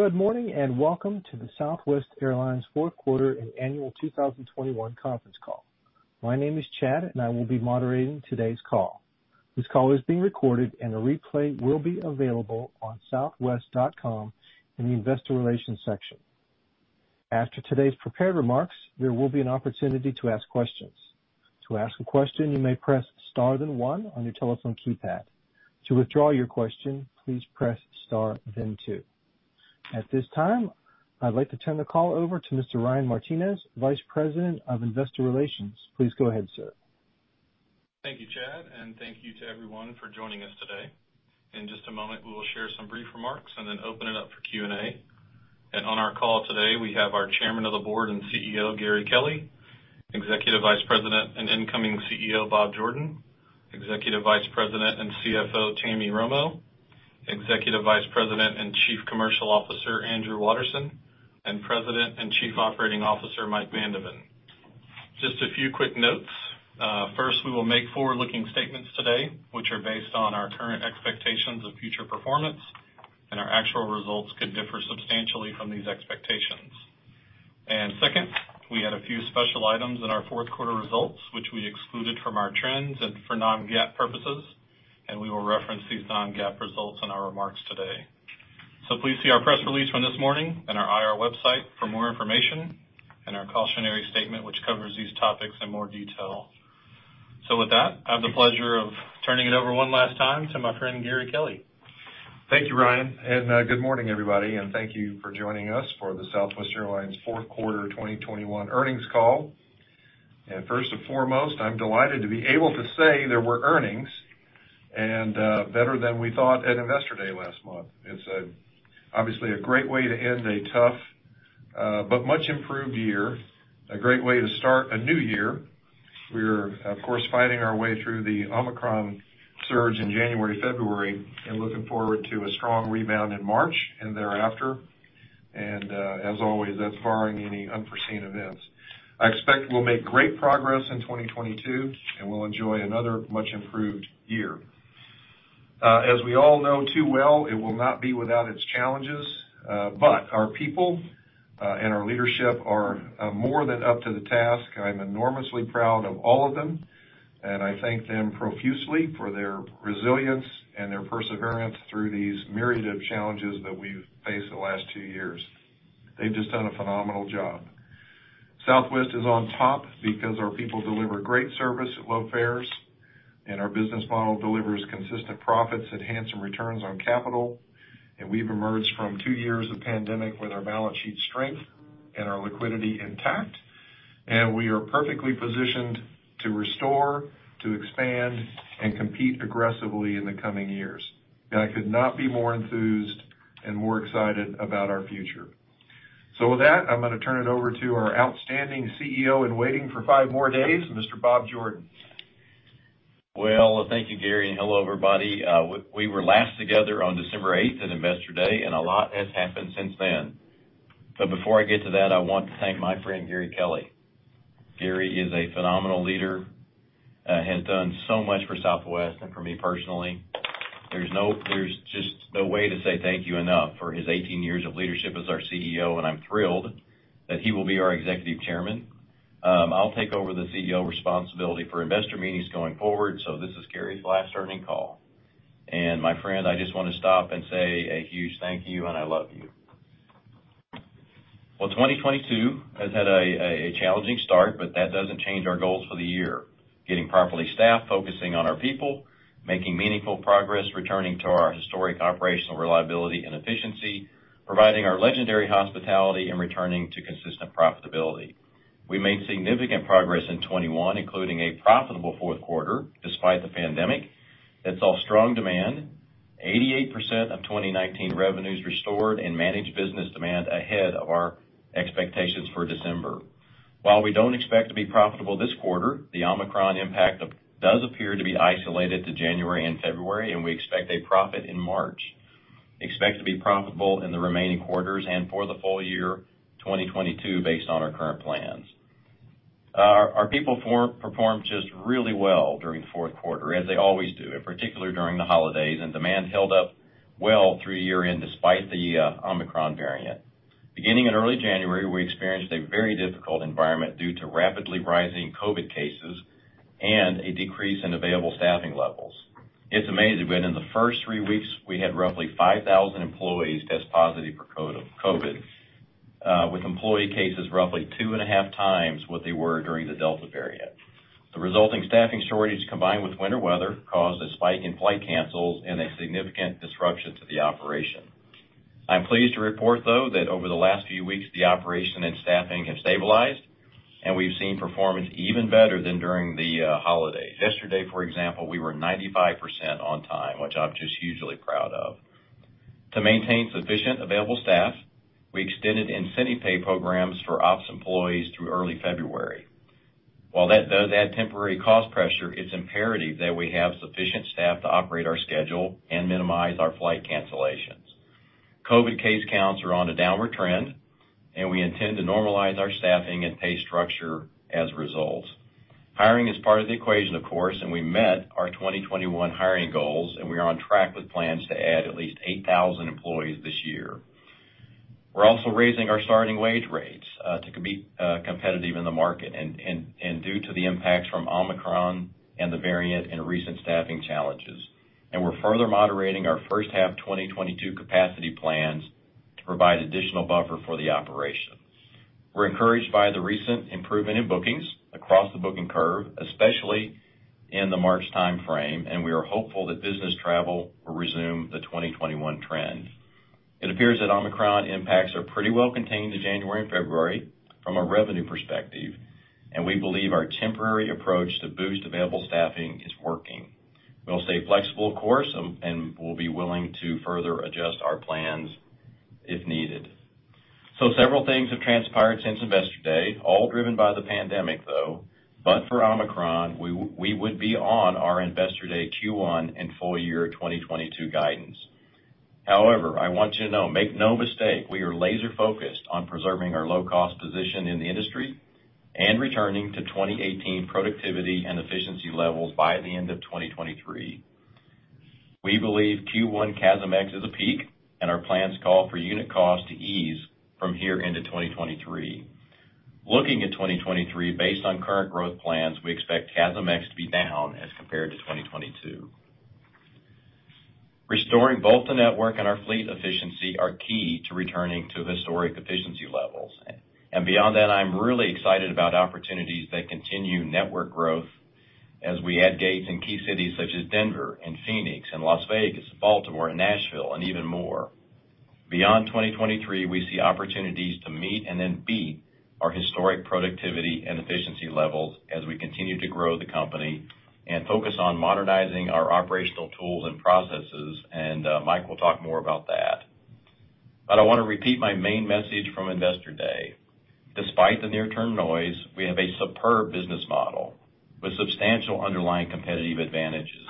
Good morning, and welcome to the Southwest Airlines Q4 and annual 2021 conference call. My name is Chad, and I will be moderating today's call. This call is being recorded, and a replay will be available on southwest.com in the Investor Relations section. After today's prepared remarks, there will be an opportunity to ask questions. To ask a question, you may press star then one on your telephone keypad. To withdraw your question, please press star then two. At this time, I'd like to turn the call over to Mr. Ryan Martinez, Vice President of Investor Relations. Please go ahead, sir. Thank you, Chad, and thank you to everyone for joining us today. In just a moment, we will share some brief remarks and then open it up for Q&A. On our call today, we have our Chairman of the Board and CEO, Gary Kelly, Executive Vice President and incoming CEO, Bob Jordan, Executive Vice President and CFO, Tammy Romo, Executive Vice President and Chief Commercial Officer, Andrew Watterson, and President and Chief Operating Officer, Mike Van de Ven. Just a few quick notes. First, we will make forward-looking statements today, which are based on our current expectations of future performance, and our actual results could differ substantially from these expectations. Second, we had a few special items in our Q4 results, which we excluded from our trends and for non-GAAP purposes, and we will reference these non-GAAP results in our remarks today. Please see our press release from this morning and our IR website for more information and our cautionary statement, which covers these topics in more detail. With that, I have the pleasure of turning it over one last time to my friend, Gary Kelly. Thank you, Ryan, and good morning, everybody, and thank you for joining us for the Southwest Airlines Q4 2021 earnings call. First and foremost, I'm delighted to be able to say there were earnings and better than we thought at Investor Day last month. It's obviously a great way to end a tough but much-improved year, a great way to start a new year. We're, of course, fighting our way through the Omicron surge in January, February, and looking forward to a strong rebound in March and thereafter. As always, that's barring any unforeseen events. I expect we'll make great progress in 2022, and we'll enjoy another much-improved year. As we all know too well, it will not be without its challenges, but our people and our leadership are more than up to the task. I'm enormously proud of all of them, and I thank them profusely for their resilience and their perseverance through these myriad of challenges that we've faced the last two years. They've just done a phenomenal job. Southwest is on top because our people deliver great service at low fares, and our business model delivers consistent profits and handsome returns on capital. We've emerged from two years of pandemic with our balance sheet strength and our liquidity intact, and we are perfectly positioned to restore, to expand, and compete aggressively in the coming years. I could not be more enthused and more excited about our future. With that, I'm gonna turn it over to our outstanding CEO in waiting for five more days, Mr. Bob Jordan. Well, thank you, Gary, and hello, everybody. We were last together on December eighth in Investor Day, and a lot has happened since then. Before I get to that, I want to thank my friend, Gary Kelly. Gary is a phenomenal leader, has done so much for Southwest and for me personally. There's just no way to say thank you enough for his 18 years of leadership as our CEO, and I'm thrilled that he will be our Executive Chairman. I'll take over the CEO responsibility for investor meetings going forward. This is Gary's last earnings call. My friend, I just wanna stop and say a huge thank you, and I love you. Well, 2022 has had a challenging start, but that doesn't change our goals for the year. Getting properly staffed, focusing on our people, making meaningful progress, returning to our historic operational reliability and efficiency, providing our legendary hospitality, and returning to consistent profitability. We made significant progress in 2021, including a profitable Q4, despite the pandemic that saw strong demand, 88% of 2019 revenues restored and managed business demand ahead of our expectations for December. While we don't expect to be profitable this quarter, the Omicron impact does appear to be isolated to January and February, and we expect a profit in March. We expect to be profitable in the remaining quarters and for the full year 2022 based on our current plans. Our people performed just really well during the Q4, as they always do, in particular during the holidays, and demand held up well through year-end despite the Omicron variant. Beginning in early January, we experienced a very difficult environment due to rapidly rising COVID cases and a decrease in available staffing levels. It's amazing, but in the first three weeks, we had roughly 5,000 employees test positive for COVID, with employee cases roughly 2.5 times what they were during the Delta variant. The resulting staffing shortage, combined with winter weather, caused a spike in flight cancels and a significant disruption to the operation. I'm pleased to report, though, that over the last few weeks, the operation and staffing have stabilized, and we've seen performance even better than during the holidays. Yesterday, for example, we were 95% on time, which I'm just hugely proud of. To maintain sufficient available staff, we extended incentive pay programs for ops employees through early February. While that does add temporary cost pressure, it's imperative that we have sufficient staff to operate our schedule and minimize our flight cancellations. COVID case counts are on a downward trend, and we intend to normalize our staffing and pay structure as a result. Hiring is part of the equation, of course, and we met our 2021 hiring goals, and we are on track with plans to add at least 8,000 employees this year. We're also raising our starting wage rates to compete competitive in the market and due to the impacts from Omicron and the variant and recent staffing challenges. We are further moderating our first half 2022 capacity plans to provide additional buffer for the operation. We're encouraged by the recent improvement in bookings across the booking curve, especially in the March timeframe, and we are hopeful that business travel will resume the 2021 trend. It appears that Omicron impacts are pretty well contained to January and February from a revenue perspective, and we believe our temporary approach to boost available staffing is working. We'll stay flexible, of course, and we'll be willing to further adjust our plans if needed. Several things have transpired since Investor Day, all driven by the pandemic, though. For Omicron, we would be on our Investor Day Q1 and full year 2022 guidance. However, I want you to know, make no mistake, we are laser-focused on preserving our low-cost position in the industry and returning to 2018 productivity and efficiency levels by the end of 2023. We believe Q1 CASM-ex is a peak, and our plans call for unit cost to ease from here into 2023. Looking at 2023, based on current growth plans, we expect CASM-ex to be down as compared to 2022. Restoring both the network and our fleet efficiency are key to returning to historic efficiency levels. Beyond that, I'm really excited about opportunities that continue network growth as we add gates in key cities such as Denver and Phoenix and Las Vegas, Baltimore, and Nashville, and even more. Beyond 2023, we see opportunities to meet and then beat our historic productivity and efficiency levels as we continue to grow the company and focus on modernizing our operational tools and processes. Mike will talk more about that. I wanna repeat my main message from Investor Day. Despite the near-term noise, we have a superb business model with substantial underlying competitive advantages.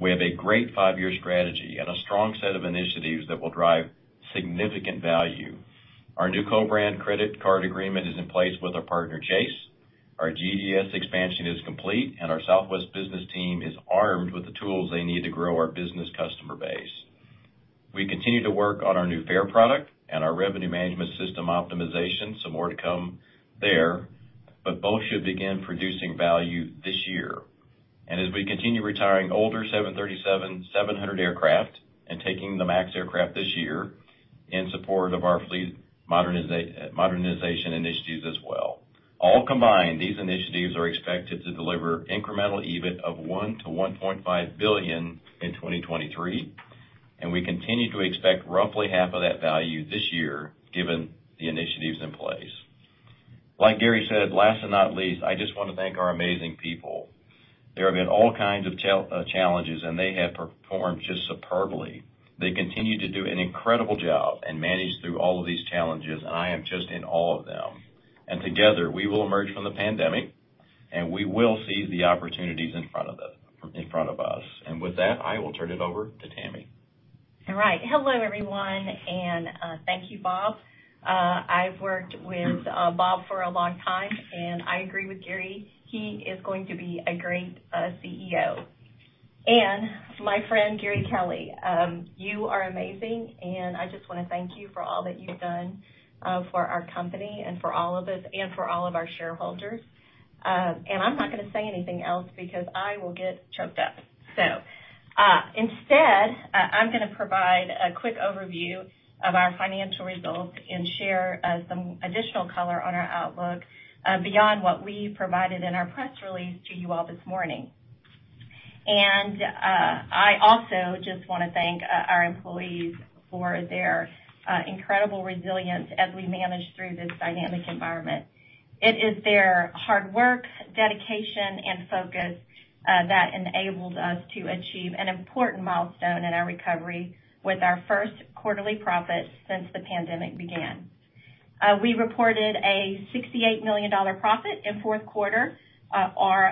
We have a great five-year strategy and a strong set of initiatives that will drive significant value. Our new co-brand credit card agreement is in place with our partner, Chase. Our GDS expansion is complete, and our Southwest Business team is armed with the tools they need to grow our business customer base. We continue to work on our new fare product and our revenue management system optimization, some more to come there, but both should begin producing value this year. As we continue retiring older 737-700 aircraft and taking the MAX aircraft this year in support of our fleet modernization initiatives as well. All combined, these initiatives are expected to deliver incremental EBIT of $1 billion-$1.5 billion in 2023, and we continue to expect roughly half of that value this year, given the initiatives in place. Like Gary said, last but not least, I just wanna thank our amazing people. There have been all kinds of challenges, and they have performed just superbly. They continue to do an incredible job and manage through all of these challenges, and I am just in awe of them. Together, we will emerge from the pandemic, and we will seize the opportunities in front of us. With that, I will turn it over to Tammy. All right. Hello, everyone, and thank you, Bob. I've worked with Bob for a long time, and I agree with Gary. He is going to be a great CEO. My friend, Gary Kelly, you are amazing, and I just wanna thank you for all that you've done for our company and for all of us and for all of our shareholders. I'm not gonna say anything else because I will get choked up. Instead, I'm gonna provide a quick overview of our financial results and share some additional color on our outlook beyond what we provided in our press release to you all this morning. I also just wanna thank our employees for their incredible resilience as we manage through this dynamic environment. It is their hard work, dedication, and focus that enabled us to achieve an important milestone in our recovery with our Q1 profit since the pandemic began. We reported a $68 million profit in Q4 or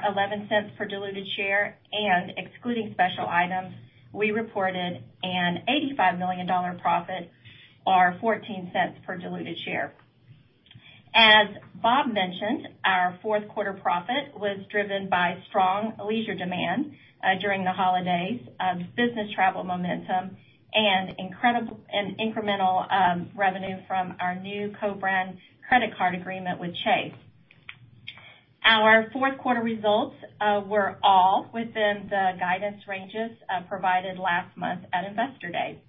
$0.11 per diluted share, and excluding special items, we reported a $85 million profit or $0.14 per diluted share. As Bob mentioned, our Q4 profit was driven by strong leisure demand during the holidays, business travel momentum, and incremental revenue from our new co-brand credit card agreement with Chase. Our Q4 results were all within the guidance ranges provided last month at Investor Day.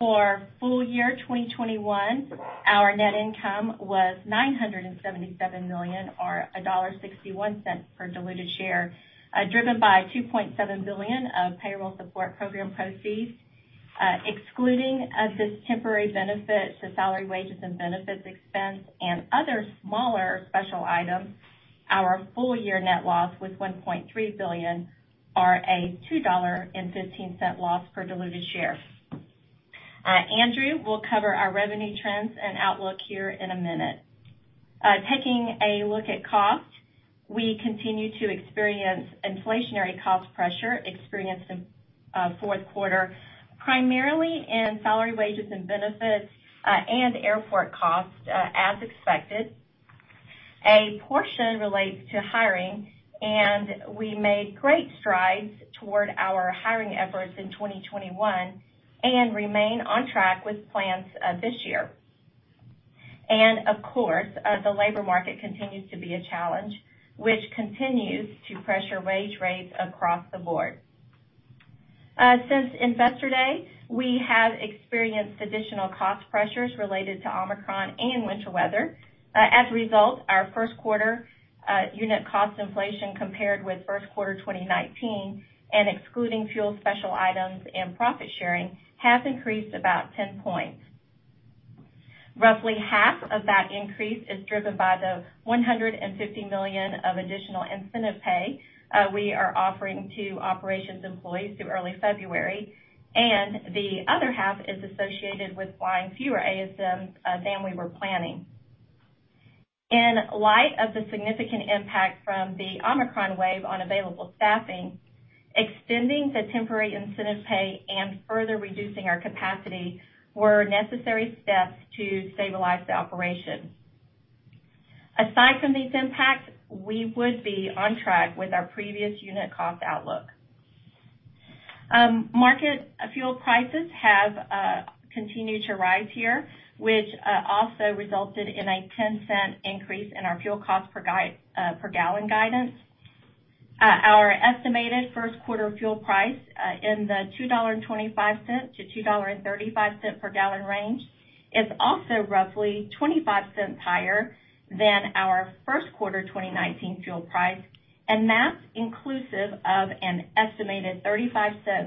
For full year 2021, our net income was $977 million or $1.61 per diluted share, driven by $2.7 billion of Payroll Support Program proceeds. Excluding this temporary benefit to salary, wages, and benefits expense and other smaller special items, our full year net loss was $1.3 billion or a $2.15 loss per diluted share. Andrew will cover our revenue trends and outlook here in a minute. Taking a look at cost, we continue to experience inflationary cost pressure we experienced in the Q4, primarily in salary, wages, and benefits and airport costs, as expected. A portion relates to hiring, and we made great strides toward our hiring efforts in 2021 and remain on track with plans this year. Of course, the labor market continues to be a challenge which continues to pressure wage rates across the board. Since Investor Day, we have experienced additional cost pressures related to Omicron and winter weather. As a result, our Q1 unit cost inflation compared with Q1 2019 and excluding fuel special items and profit-sharing has increased about 10 points. Roughly half of that increase is driven by the $150 million of additional incentive pay we are offering to operations employees through early February, and the other half is associated with flying fewer ASMs than we were planning. In light of the significant impact from the Omicron wave on available staffing, extending the temporary incentive pay and further reducing our capacity were necessary steps to stabilize the operation. Aside from these impacts, we would be on track with our previous unit cost outlook. Market fuel prices have continued to rise here, which also resulted in a $0.10 Increase in our fuel cost per gallon guidance. Our estimated Q1 fuel price in the $2.25-$2.35 per gallon range is also roughly $0.25 higher than our Q1 2019 fuel price, and that's inclusive of an estimated $0.35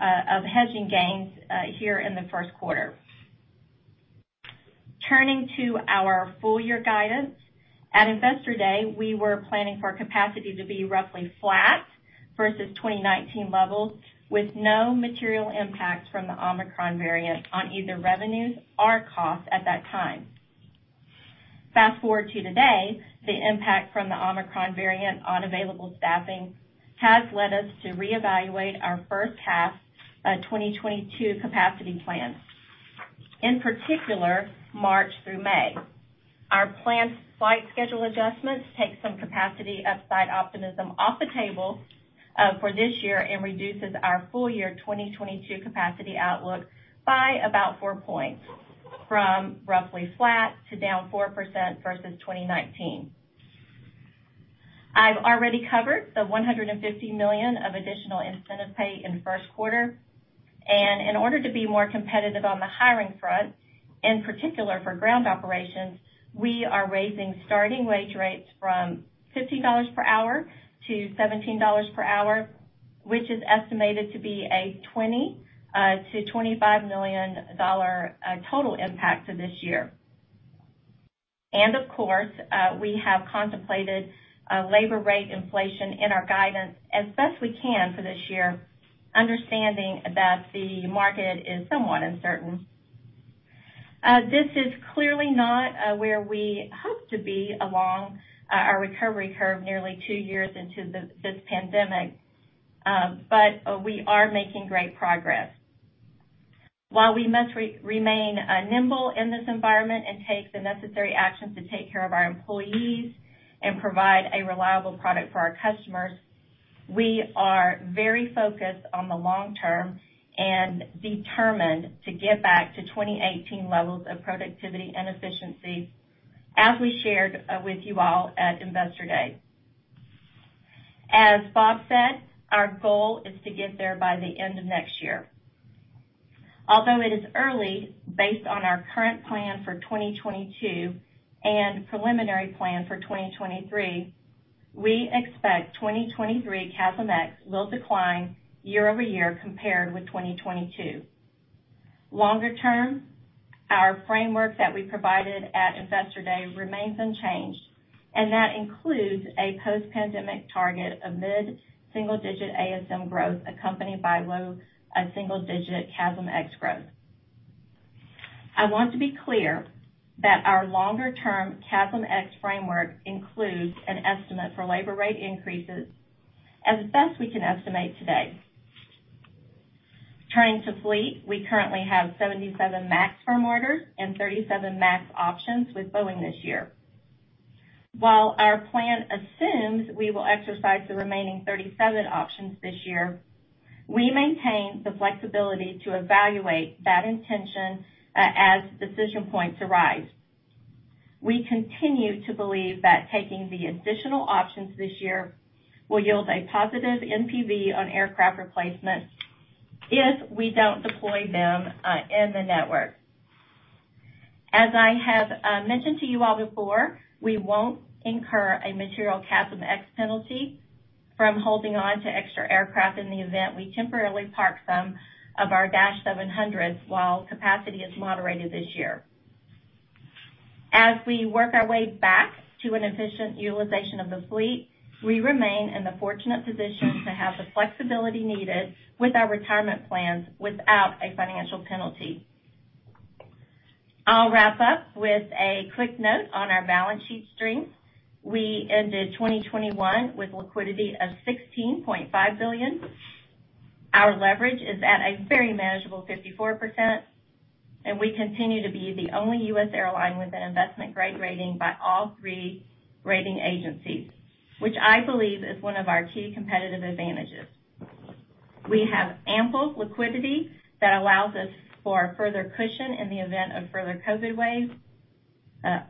of hedging gains here in the Q1. Turning to our full year guidance, at Investor Day, we were planning for capacity to be roughly flat versus 2019 levels with no material impact from the Omicron variant on either revenues or costs at that time. Fast-forward to today, the impact from the Omicron variant on available staffing has led us to reevaluate our first half 2022 capacity plans, in particular, March through May. Our planned flight schedule adjustments take some capacity upside optimism off the table for this year and reduces our full year 2022 capacity outlook by about 4 points from roughly flat to down 4% versus 2019. I've already covered the $150 million of additional incentive pay in Q1. In order to be more competitive on the hiring front, in particular for ground operations, we are raising starting wage rates from $15 per hour to $17 per hour, which is estimated to be a $20-$25 million total impact to this year. Of course, we have contemplated labor rate inflation in our guidance as best we can for this year, understanding that the market is somewhat uncertain. This is clearly not where we hoped to be along our recovery curve nearly two years into this pandemic, but we are making great progress. While we must remain nimble in this environment and take the necessary actions to take care of our employees and provide a reliable product for our customers, we are very focused on the long term and determined to get back to 2018 levels of productivity and efficiency as we shared with you all at Investor Day. As Bob said, our goal is to get there by the end of next year. Although it is early, based on our current plan for 2022 and preliminary plan for 2023, we expect 2023 CASM-ex will decline year-over-year compared with 2022. Longer term, our framework that we provided at Investor Day remains unchanged, and that includes a post-pandemic target of mid-single digit ASM growth accompanied by low single-digit CASM-ex growth. I want to be clear that our longer-term CASM-ex framework includes an estimate for labor rate increases as best we can estimate today. Turning to fleet, we currently have 77 MAX firm orders and 37 MAX options with Boeing this year. While our plan assumes we will exercise the remaining 37 options this year, we maintain the flexibility to evaluate that intention as decision points arise. We continue to believe that taking the additional options this year will yield a positive NPV on aircraft replacement if we don't deploy them in the network. As I have mentioned to you all before, we won't incur a material CASM-ex penalty from holding on to extra aircraft in the event we temporarily park some of our - 700 while capacity is moderated this year. As we work our way back to an efficient utilization of the fleet, we remain in the fortunate position to have the flexibility needed with our retirement plans without a financial penalty. I'll wrap up with a quick note on our balance sheet strength. We ended 2021 with liquidity of $16.5 billion. Our leverage is at a very manageable 54%, and we continue to be the only U.S. airline with an investment-grade rating by all three rating agencies, which I believe is one of our key competitive advantages. We have ample liquidity that allows us for further cushion in the event of further COVID waves.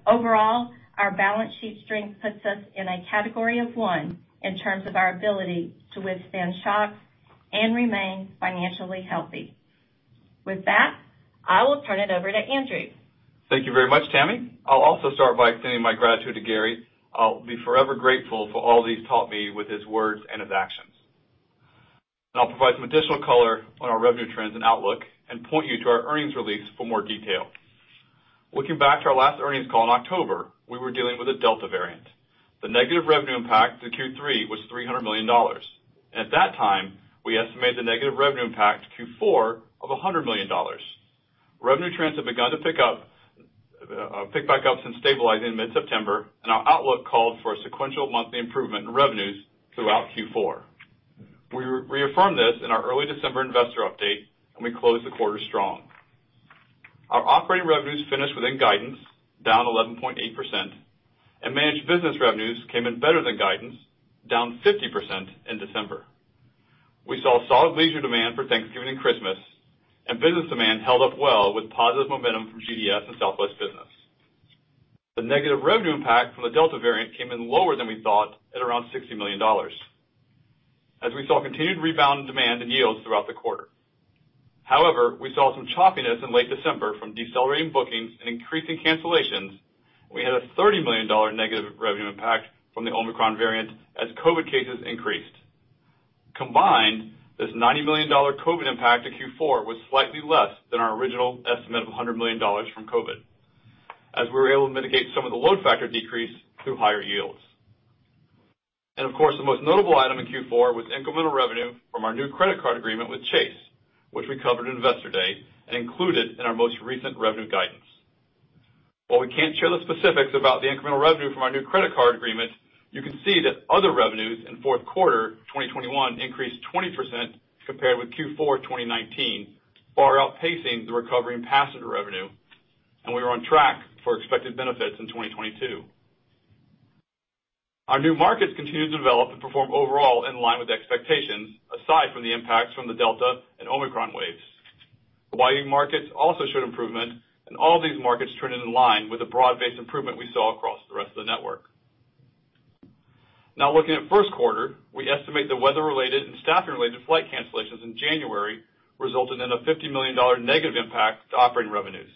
Overall, our balance sheet strength puts us in a category of one in terms of our ability to withstand shocks and remain financially healthy. With that, I will turn it over to Andrew. Thank you very much, Tammy. I'll also start by extending my gratitude to Gary. I'll be forever grateful for all that he's taught me with his words and his actions. I'll provide some additional color on our revenue trends and outlook and point you to our earnings release for more detail. Looking back to our last earnings call in October, we were dealing with a Delta variant. The negative revenue impact to Q3 was $300 million. At that time, we estimated the negative revenue impact to Q4 of $100 million. Revenue trends have begun to pick up, pick back up since stabilizing in mid-September, and our outlook called for a sequential monthly improvement in revenues throughout Q4. We reaffirmed this in our early December investor update, and we closed the quarter strong. Our operating revenues finished within guidance, down 11.8%, and managed business revenues came in better than guidance, down 50% in December. We saw solid leisure demand for Thanksgiving and Christmas, and business demand held up well with positive momentum from GDS and Southwest Business. The negative revenue impact from the Delta variant came in lower than we thought at around $60 million, as we saw continued rebound in demand and yields throughout the quarter. However, we saw some choppiness in late December from decelerating bookings and increasing cancellations. We had a $30 million negative revenue impact from the Omicron variant as COVID cases increased. Combined, this $90 million COVID impact to Q4 was slightly less than our original estimate of $100 million from COVID, as we were able to mitigate some of the load factor decrease through higher yields. Of course, the most notable item in Q4 was incremental revenue from our new credit card agreement with Chase, which we covered in Investor Day and included in our most recent revenue guidance. While we can't share the specifics about the incremental revenue from our new credit card agreement, you can see that other revenues in Q4 2021 increased 20% compared with Q4 2019, far outpacing the recovery in passenger revenue, and we are on track for expected benefits in 2022. Our new markets continued to develop and perform overall in line with expectations, aside from the impacts from the Delta and Omicron waves. The Hawaii markets also showed improvement, and all these markets turned in line with the broad-based improvement we saw across the rest of the network. Now, looking at Q1, we estimate the weather-related and staffing-related flight cancellations in January resulted in a $50 million negative impact to operating revenues.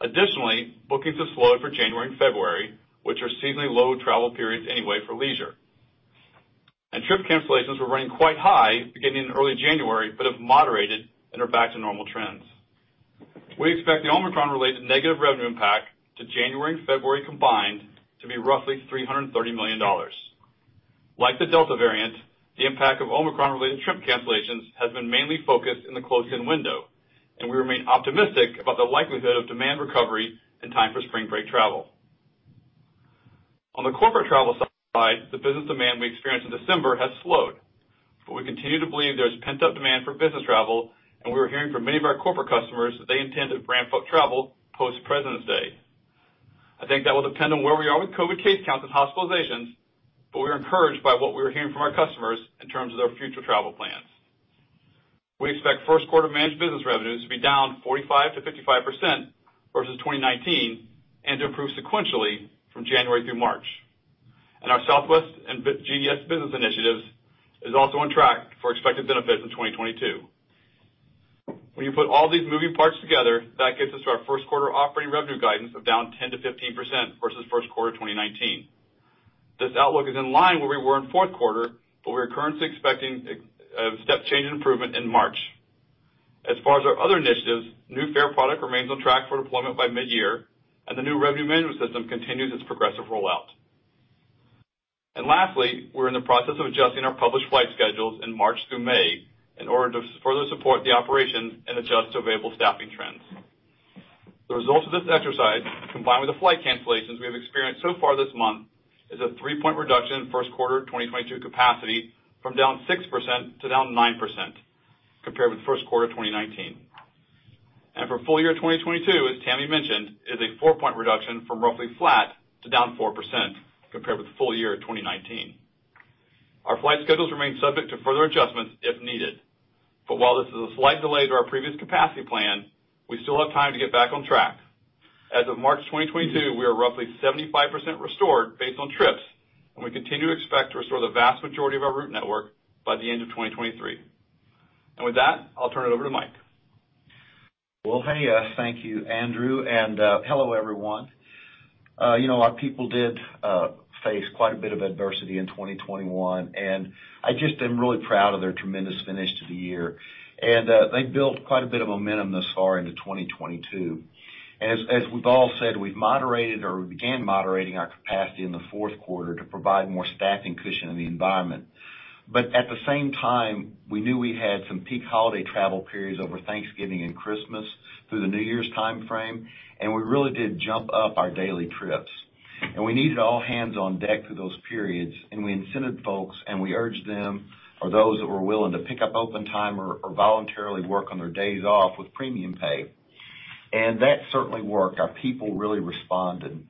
Additionally, bookings have slowed for January and February, which are seasonally low travel periods anyway for leisure. Trip cancellations were running quite high beginning in early January, but have moderated and are back to normal trends. We expect the Omicron-related negative revenue impact to January and February combined to be roughly $330 million. Like the Delta variant, the impact of Omicron-related trip cancellations has been mainly focused in the close-in window, and we remain optimistic about the likelihood of demand recovery in time for spring break travel. On the corporate travel side, the business demand we experienced in December has slowed, but we continue to believe there's pent-up demand for business travel, and we're hearing from many of our corporate customers that they intend to ramp up travel post Presidents' Day. I think that will depend on where we are with COVID case counts and hospitalizations, but we're encouraged by what we're hearing from our customers in terms of their future travel plans. We expect Q1 managed business revenues to be down 45%-55% versus 2019 and to improve sequentially from January through March. Our Southwest and GDS business initiatives is also on track for expected benefits in 2022. When you put all these moving parts together, that gets us to our Q1 operating revenue guidance of down 10%-15% versus Q1 2019. This outlook is in line where we were in Q4, but we are currently expecting a step change in improvement in March. As far as our other initiatives, new fare product remains on track for deployment by mid-year, and the new revenue management system continues its progressive rollout. Lastly, we're in the process of adjusting our published flight schedules in March through May in order to further support the operation and adjust to available staffing trends. The results of this exercise, combined with the flight cancellations we have experienced so far this month, is a 3-point reduction in Q1 2022 capacity from down 6% to down 9% compared with Q1 2019. For full year 2022, as Tammy mentioned, is a 4-point reduction from roughly flat to down 4% compared with full year 2019. Our flight schedules remain subject to further adjustments if needed, but while this is a slight delay to our previous capacity plan, we still have time to get back on track. As of March 2022, we are roughly 75% restored based on trips, and we continue to expect to restore the vast majority of our route network by the end of 2023. With that, I'll turn it over to Mike. Well, hey, thank you, Andrew, and hello, everyone. You know, our people did face quite a bit of adversity in 2021, and I just am really proud of their tremendous finish to the year. They built quite a bit of momentum thus far into 2022. As we've all said, we've moderated or began moderating our capacity in the Q4 to provide more staffing cushion in the environment. At the same time, we knew we had some peak holiday travel periods over Thanksgiving and Christmas through the New Year's timeframe, and we really did jump up our daily trips. We needed all hands on deck through those periods, and we incented folks and we urged them or those that were willing to pick up open time or voluntarily work on their days off with premium pay. That certainly worked. Our people really responded.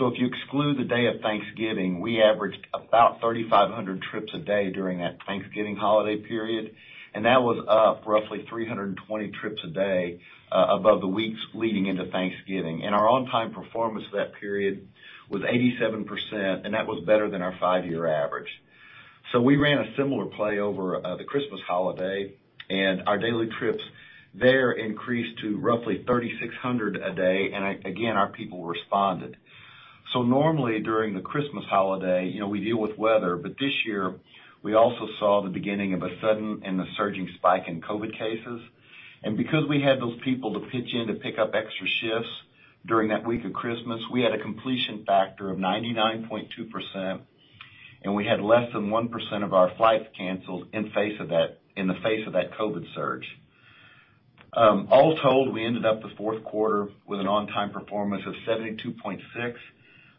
If you exclude the day of Thanksgiving, we averaged about 3,500 trips a day during that Thanksgiving holiday period, and that was up roughly 320 trips a day above the weeks leading into Thanksgiving. Our on-time performance for that period was 87%, and that was better than our five-year average. We ran a similar play over the Christmas holiday, and our daily trips there increased to roughly 3,600 a day, and our people responded. Normally during the Christmas holiday, you know, we deal with weather, but this year, we also saw the beginning of a sudden and surging spike in COVID cases. Because we had those people to pitch in to pick up extra shifts during that week of Christmas, we had a completion factor of 99.2%, and we had less than 1% of our flights canceled in the face of that COVID surge. All told, we ended the Q4 with an on-time performance of 72.6,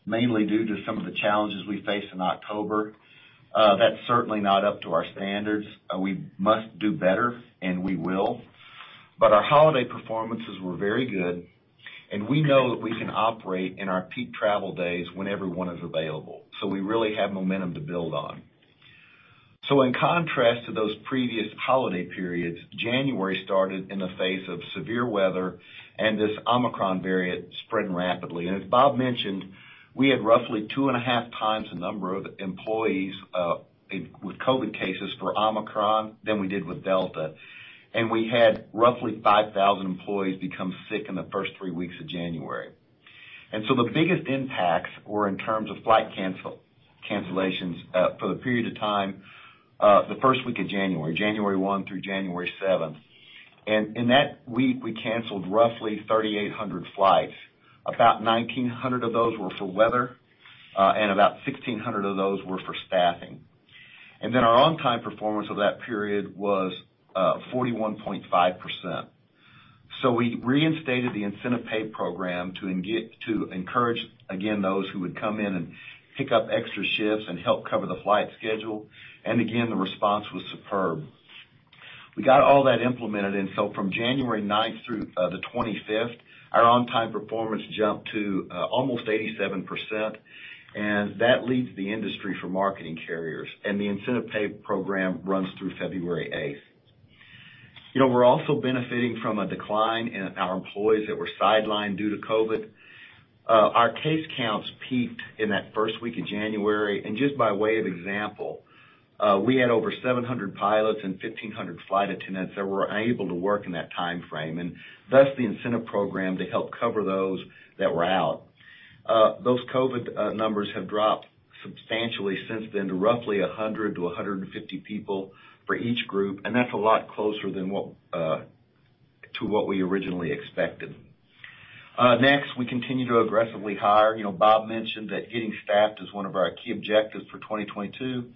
mainly due to some of the challenges we faced in October. That's certainly not up to our standards. We must do better, and we will. Our holiday performances were very good, and we know that we can operate in our peak travel days when everyone is available, so we really have momentum to build on. In contrast to those previous holiday periods, January started in the face of severe weather and this Omicron variant spreading rapidly. As Bob mentioned, we had roughly two and a half times the number of employees with COVID cases for Omicron than we did with Delta. We had roughly 5,000 employees become sick in the first three weeks of January. The biggest impacts were in terms of flight cancellations for the period of time, the first week of January 1 through January 7. In that week, we canceled roughly 3,800 flights. About 1,900 of those were for weather, and about 1,600 of those were for staffing. Then our on-time performance for that period was 41.5%. We reinstated the incentive pay program to encourage, again, those who would come in and pick up extra shifts and help cover the flight schedule. Again, the response was superb. We got all that implemented, from January ninth through the twenty-fifth, our on-time performance jumped to almost 87%, and that leads the industry for marketing carriers. The incentive pay program runs through February eighth. You know, we're also benefiting from a decline in our employees that were sidelined due to COVID. Our case counts peaked in that first week of January. Just by way of example, we had over 700 pilots and 1,500 flight attendants that were unable to work in that timeframe, and thus the incentive program to help cover those that were out. Those COVID numbers have dropped substantially since then to roughly 100-150 people for each group, and that's a lot closer to what we originally expected. Next, we continue to aggressively hire. You know, Bob mentioned that getting staffed is one of our key objectives for 2022.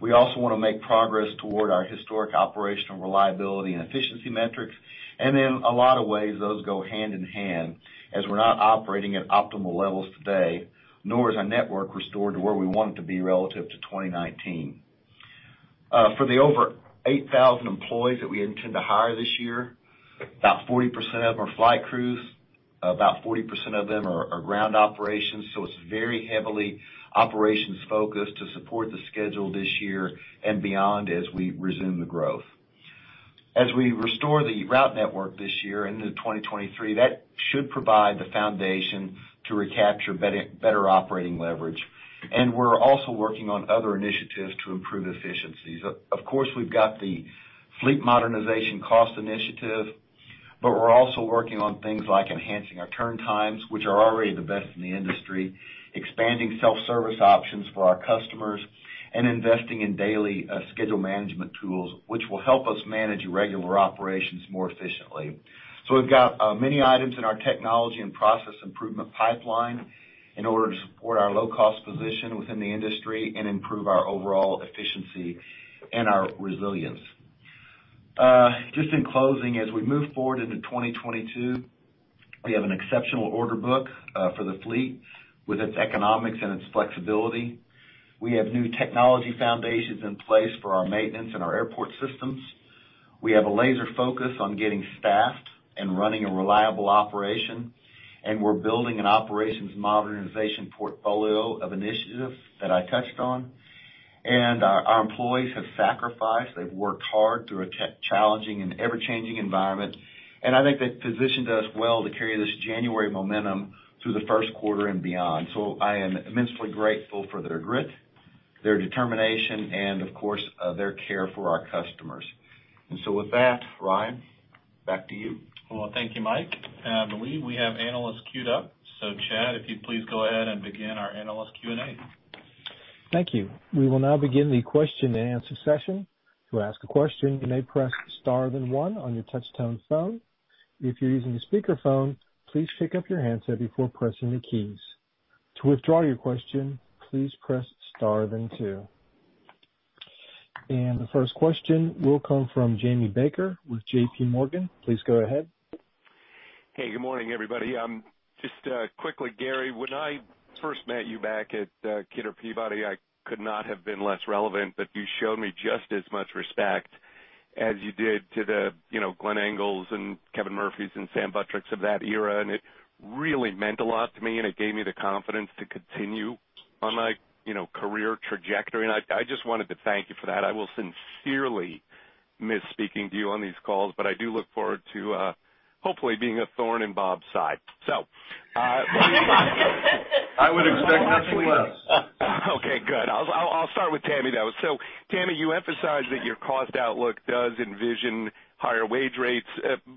We also wanna make progress toward our historic operational reliability and efficiency metrics. In a lot of ways, those go hand in hand, as we're not operating at optimal levels today, nor is our network restored to where we want it to be relative to 2019. For the over 8,000 employees that we intend to hire this year, about 40% of them are flight crews, about 40% of them are ground operations, so it's very heavily operations-focused to support the schedule this year and beyond as we resume the growth. As we restore the route network this year into 2023, that should provide the foundation to recapture better operating leverage. We're also working on other initiatives to improve efficiencies. Of course, we've got the fleet modernization cost initiative, but we're also working on things like enhancing our turn times, which are already the best in the industry, expanding self-service options for our customers, and investing in daily schedule management tools, which will help us manage irregular operations more efficiently. We've got many items in our technology and process improvement pipeline in order to support our low cost position within the industry and improve our overall efficiency and our resilience. Just in closing, as we move forward into 2022, we have an exceptional order book for the fleet with its economics and its flexibility. We have new technology foundations in place for our maintenance and our airport systems. We have a laser focus on getting staffed and running a reliable operation, and we're building an operations modernization portfolio of initiatives that I touched on. Our employees have sacrificed, they've worked hard through a challenging and ever-changing environment, and I think that positions us well to carry this January momentum through the Q1 and beyond. I am immensely grateful for their grit, their determination, and of course, their care for our customers. With that, Ryan, back to you. Well, thank you, Mike. I believe we have analysts queued up. Chad, if you'd please go ahead and begin our analyst Q&A. Thank you. We will now begin the question and answer session. To ask a question, you may press star then one on your touch-tone phone. If you're using a speakerphone, please pick up your handset before pressing the keys. To withdraw your question, please press star then two. The first question will come from Jamie Baker with J.P. Morgan. Please go ahead. Hey, good morning, everybody. Just quickly, Gary, when I first met you back at Kidder, Peabody, I could not have been less relevant, but you showed me just as much respect as you did to the, you know, Glenn Engel and Kevin Murphys and Sam Buttricks of that era, and it really meant a lot to me, and it gave me the confidence to continue on my, you know, career trajectory. I just wanted to thank you for that. I will sincerely miss speaking to you on these calls, but I do look forward to hopefully being a thorn in Bob's side. I would expect nothing less. Okay, good. I'll start with Tammy, though. Tammy, you emphasized that your cost outlook does envision higher wage rates.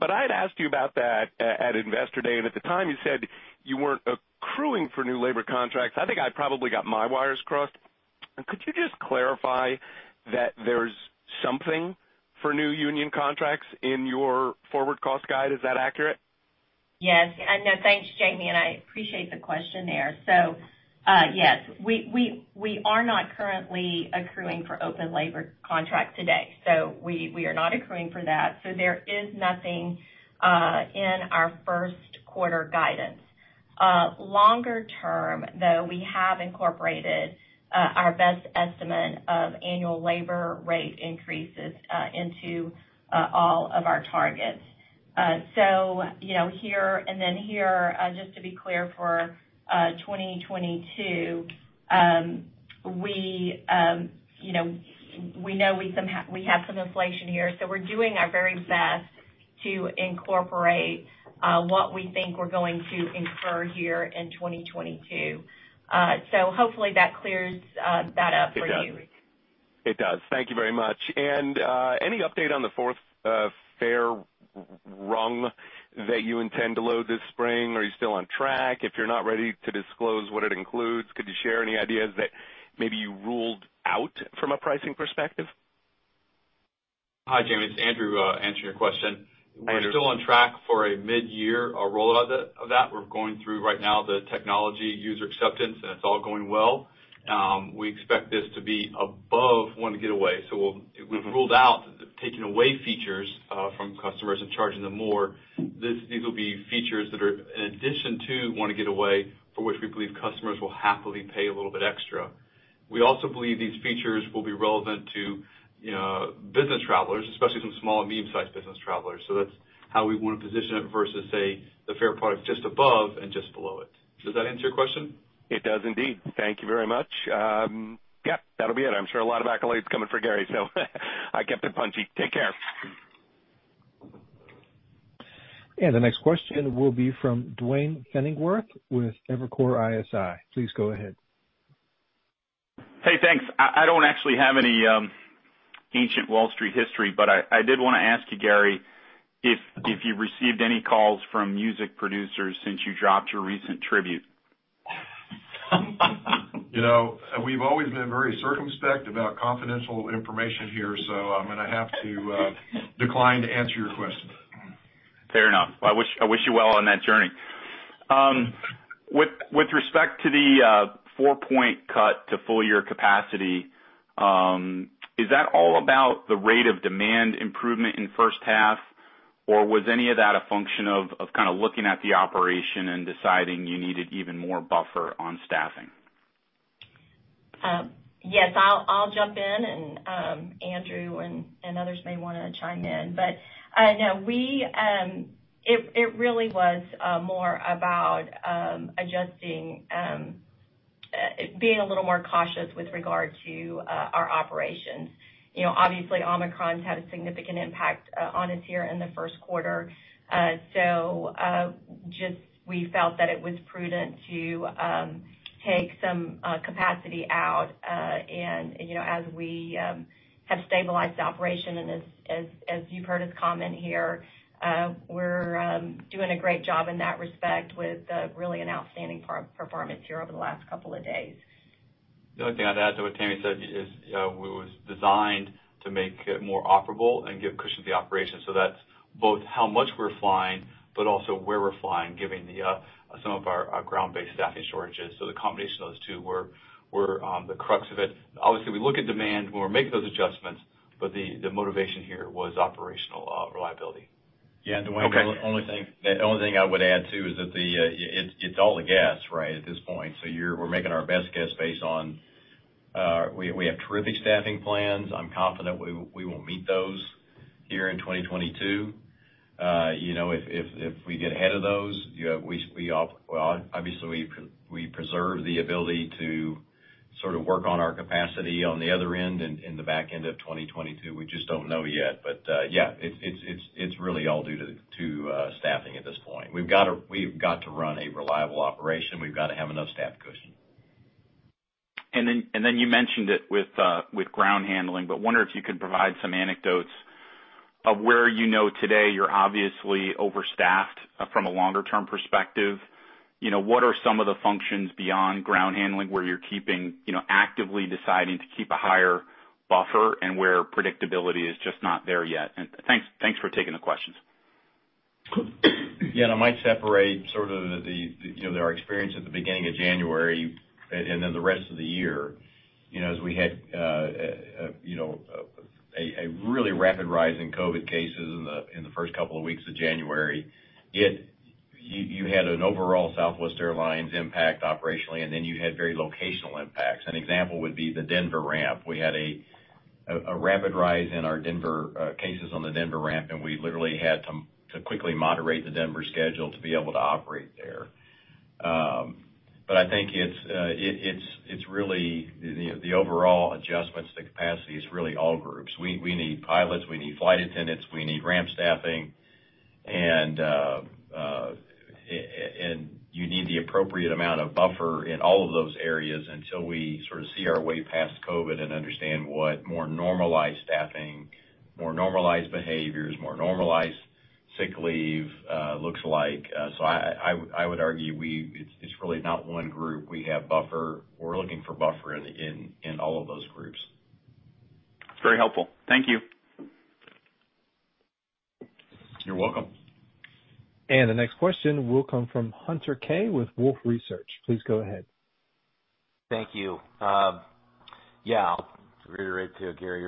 I'd asked you about that at Investor Day, and at the time, you said you weren't accruing for new labor contracts. I think I probably got my wires crossed. Could you just clarify that there's something for new union contracts in your forward cost guide? Is that accurate? Yes. No, thanks, Jamie, and I appreciate the question there. So, yes. We are not currently accruing for open labor contracts today. So we are not accruing for that. So there is nothing in our Q1 guidance. Longer term, though, we have incorporated our best estimate of annual labor rate increases into all of our targets. So, you know, here and then here, just to be clear for 2022, we, you know, we know we have some inflation here, so we're doing our very best to incorporate what we think we're going to incur here in 2022. So hopefully that clears that up for you. It does. Thank you very much. Any update on the fourth fare rung that you intend to load this spring? Are you still on track? If you're not ready to disclose what it includes, could you share any ideas that maybe you ruled out from a pricing perspective? Hi, Jamie. It's Andrew answering your question. We're still on track for a mid-year rollout of that. We're going through right now the technology user acceptance, and it's all going well. We expect this to be above Wanna Get Away. We've ruled out taking away features from customers and charging them more. These will be features that are in addition to Wanna Get Away, for which we believe customers will happily pay a little bit extra. We also believe these features will be relevant to, you know, business travelers, especially some small and medium-sized business travelers. That's how we wanna position it versus, say, the fare product just above and just below it. Does that answer your question? It does indeed. Thank you very much. Yeah, that'll be it. I'm sure a lot of accolades coming for Gary, so I kept it punchy. Take care. The next question will be from Duane Pfennigwerth with Evercore ISI. Please go ahead. Hey, thanks. I don't actually have any ancient Wall Street history, but I did wanna ask you, Gary, if you received any calls from music producers since you dropped your recent tribute. You know, we've always been very circumspect about confidential information here, so I'm gonna have to decline to answer your question. Fair enough. Well, I wish you well on that journey. With respect to the 4-point cut to full year capacity, is that all about the rate of demand improvement in first half, or was any of that a function of kind of looking at the operation and deciding you needed even more buffer on staffing? Yes. I'll jump in and Andrew and others may wanna chime in. No. It really was more about adjusting, being a little more cautious with regard to our operations. You know, obviously, Omicron's had a significant impact on us here in the Q1. So we just felt that it was prudent to take some capacity out. You know, as we have stabilized the operation and as you've heard us comment here, we're doing a great job in that respect with really an outstanding performance here over the last couple of days. The only thing I'd add to what Tammy said is, it was designed to make it more operable and give cushion to the operation. That's both how much we're flying, but also where we're flying, given some of our ground-based staffing shortages. The combination of those two were the crux of it. Obviously, we look at demand when we're making those adjustments, but the motivation here was operational reliability. Yeah, Duane, the only thing I would add, too, is that it's all a guess, right, at this point. We're making our best guess based on we have terrific staffing plans. I'm confident we will meet those here in 2022. You know, if we get ahead of those, you know, well, obviously we preserve the ability to sort of work on our capacity on the other end in the back end of 2022. We just don't know yet. Yeah, it's really all due to staffing at this point. We've got to run a reliable operation. We've got to have enough staff cushion. You mentioned it with ground handling, but I wonder if you could provide some anecdotes of where you know today you're obviously overstaffed from a longer term perspective. You know, what are some of the functions beyond ground handling where you're keeping, you know, actively deciding to keep a higher buffer and where predictability is just not there yet? Thanks for taking the questions. Yeah. I might separate sort of the you know their experience at the beginning of January and then the rest of the year, you know, as we had you know a really rapid rise in COVID cases in the first couple of weeks of January. You had an overall Southwest Airlines impact operationally, and then you had very locational impacts. An example would be the Denver ramp. We had a rapid rise in our Denver cases on the Denver ramp, and we literally had to quickly moderate the Denver schedule to be able to operate there. I think it's really the overall adjustments to capacity is really all groups. We need pilots. We need flight attendants. We need ramp staffing. You need the appropriate amount of buffer in all of those areas until we sort of see our way past COVID and understand what more normalized staffing, more normalized behaviors, more normalized sick leave looks like. I would argue it's really not one group. We have buffer. We're looking for buffer in all of those groups. It's very helpful. Thank you. You're welcome. The next question will come from Hunter Keay with Wolfe Research. Please go ahead. Thank you. Yeah, to reiterate too, Gary,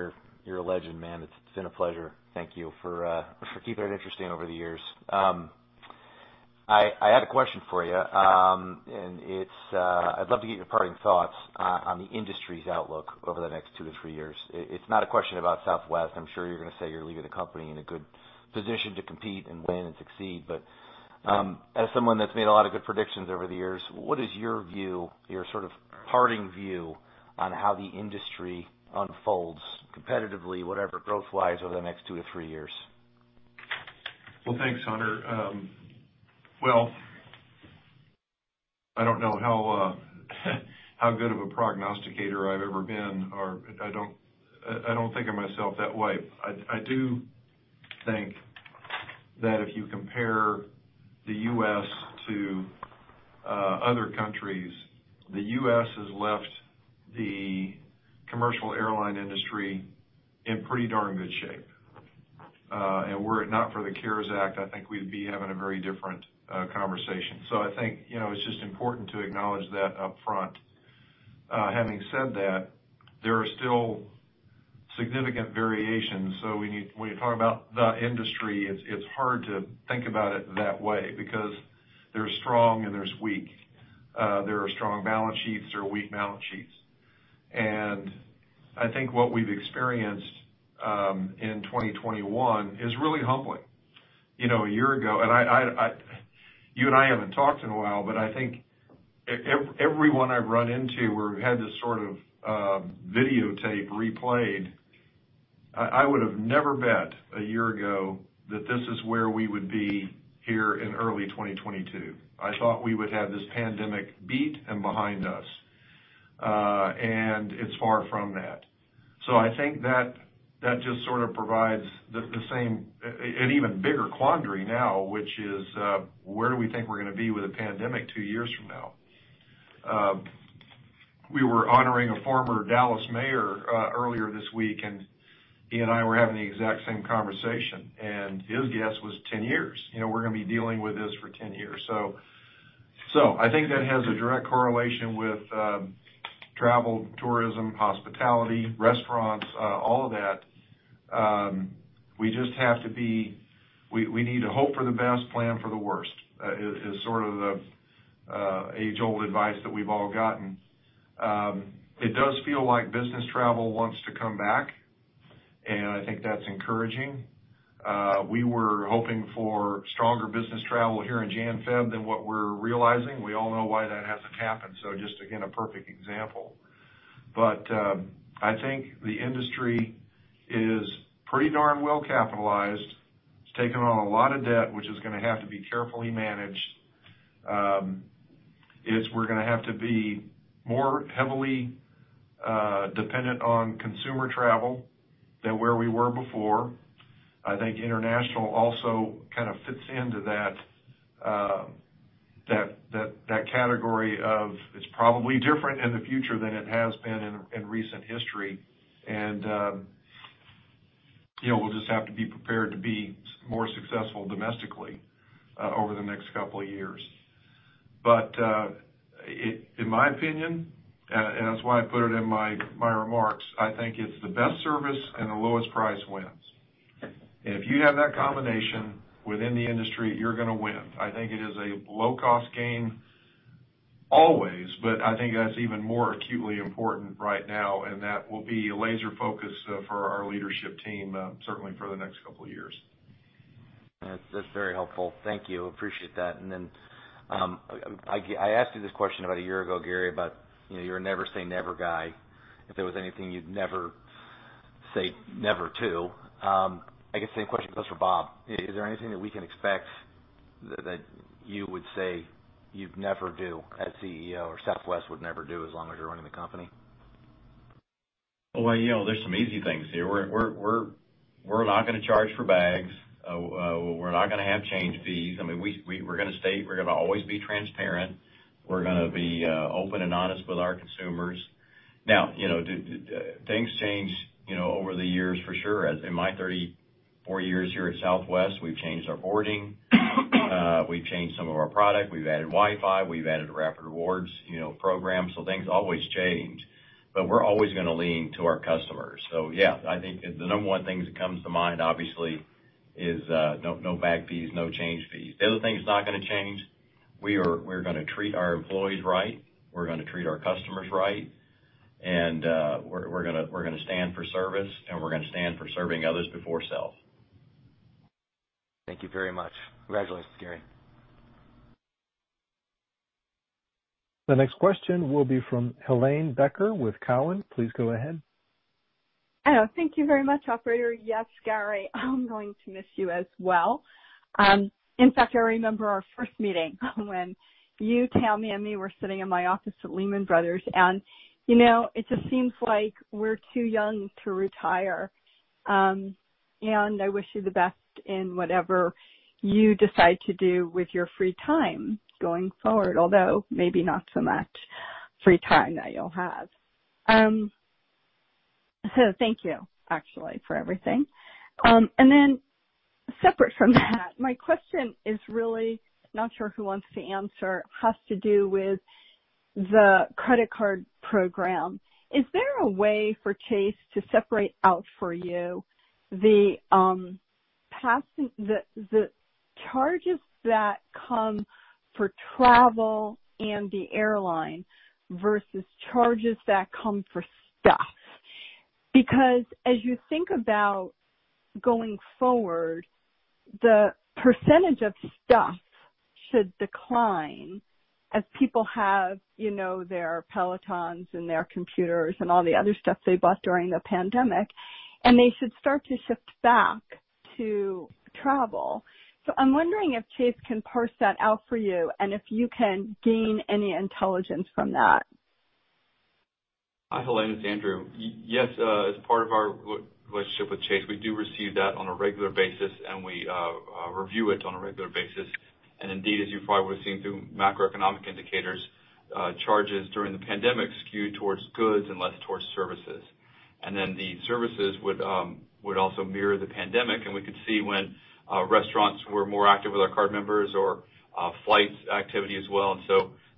you're a legend, man. It's been a pleasure. Thank you for keeping it interesting over the years. I had a question for you, and it's, I'd love to get your parting thoughts on the industry's outlook over the next 2-3 years. It's not a question about Southwest. I'm sure you're gonna say you're leaving the company in a good position to compete and win and succeed. As someone that's made a lot of good predictions over the years, what is your view, your sort of parting view on how the industry unfolds competitively, whatever growth lies over the next 2-3 years? Well, thanks, Hunter. I don't know how good of a prognosticator I've ever been, or I don't think of myself that way. I do think that if you compare the U.S. to other countries, the U.S. has left the commercial airline industry in pretty darn good shape. Were it not for the CARES Act, I think we'd be having a very different conversation. I think, you know, it's just important to acknowledge that up front. Having said that, there are still significant variations. When you talk about the industry, it's hard to think about it that way because there's strong and there's weak. There are strong balance sheets, there are weak balance sheets. I think what we've experienced in 2021 is really humbling. You know, a year ago, I... You and I haven't talked in a while, but I think everyone I've run into or had this sort of videotape replayed, I would have never bet a year ago that this is where we would be here in early 2022. I thought we would have this pandemic beat and behind us, and it's far from that. I think that just sort of provides an even bigger quandary now, which is, where do we think we're gonna be with a pandemic two years from now? We were honoring a former Dallas mayor earlier this week, and he and I were having the exact same conversation, and his guess was 10 years. You know, we're gonna be dealing with this for 10 years. I think that has a direct correlation with travel, tourism, hospitality, restaurants, all of that. We just have to hope for the best, plan for the worst, which is sort of the age-old advice that we've all gotten. It does feel like business travel wants to come back, and I think that's encouraging. We were hoping for stronger business travel here in January, February than what we're realizing. We all know why that hasn't happened. Just again, a perfect example. I think the industry is pretty darn well capitalized. It's taken on a lot of debt, which is gonna have to be carefully managed. We're gonna have to be more heavily dependent on consumer travel than where we were before. I think international also kind of fits into that category of it's probably different in the future than it has been in recent history. You know, we'll just have to be prepared to be more successful domestically over the next couple of years. In my opinion, and that's why I put it in my remarks, I think it's the best service and the lowest price wins. If you have that combination within the industry, you're gonna win. I think it is a low-cost game always, but I think that's even more acutely important right now, and that will be a laser focus for our leadership team certainly for the next couple of years. That's very helpful. Thank you. Appreciate that. Then, I asked you this question about a year ago, Gary, about, you know, you're a never-say-never guy. If there was anything you'd never say never to, I guess the same question goes for Bob. Is there anything that we can expect that you would say you'd never do as CEO or Southwest would never do as long as you're running the company? Well, you know, there's some easy things here. We're not gonna charge for bags. We're not gonna have change fees. I mean, we're gonna always be transparent. We're gonna be open and honest with our consumers. Now, you know, things change, you know, over the years for sure. As in my 34 years here at Southwest, we've changed our boarding, we've changed some of our product, we've added Wi-Fi, we've added Rapid Rewards, you know, program. Things always change, but we're always gonna lean to our customers. Yeah, I think the number one things that comes to mind, obviously, is no bag fees, no change fees. The other thing that's not gonna change, we're gonna treat our employees right, we're gonna treat our customers right, and we're gonna stand for service, and we're gonna stand for serving others before self. Thank you very much. Congratulations, Gary. The next question will be from Helane Becker with Cowen. Please go ahead. Oh, thank you very much, operator. Yes, Gary, I'm going to miss you as well. In fact, I remember our first meeting when you, Tammy, and me were sitting in my office at Lehman Brothers, and, you know, it just seems like we're too young to retire. I wish you the best in whatever you decide to do with your free time going forward, although maybe not so much free time that you'll have. Thank you, actually, for everything. Then separate from that, my question is really, not sure who wants to answer, has to do with the credit card program. Is there a way for Chase to separate out for you the charges that come for travel and the airline versus charges that come for stuff? Because as you think about going forward, the percentage of stuff should decline as people have, you know, their Pelotons and their computers and all the other stuff they bought during the pandemic, and they should start to shift back to travel. I'm wondering if Chase can parse that out for you and if you can gain any intelligence from that. Hi, Helane, it's Andrew. Yes, as part of our relationship with Chase, we do receive that on a regular basis, and we review it on a regular basis. Indeed, as you probably would've seen through macroeconomic indicators, charges during the pandemic skewed towards goods and less towards services. Then the services would also mirror the pandemic, and we could see when restaurants were more active with our card members or flights activity as well.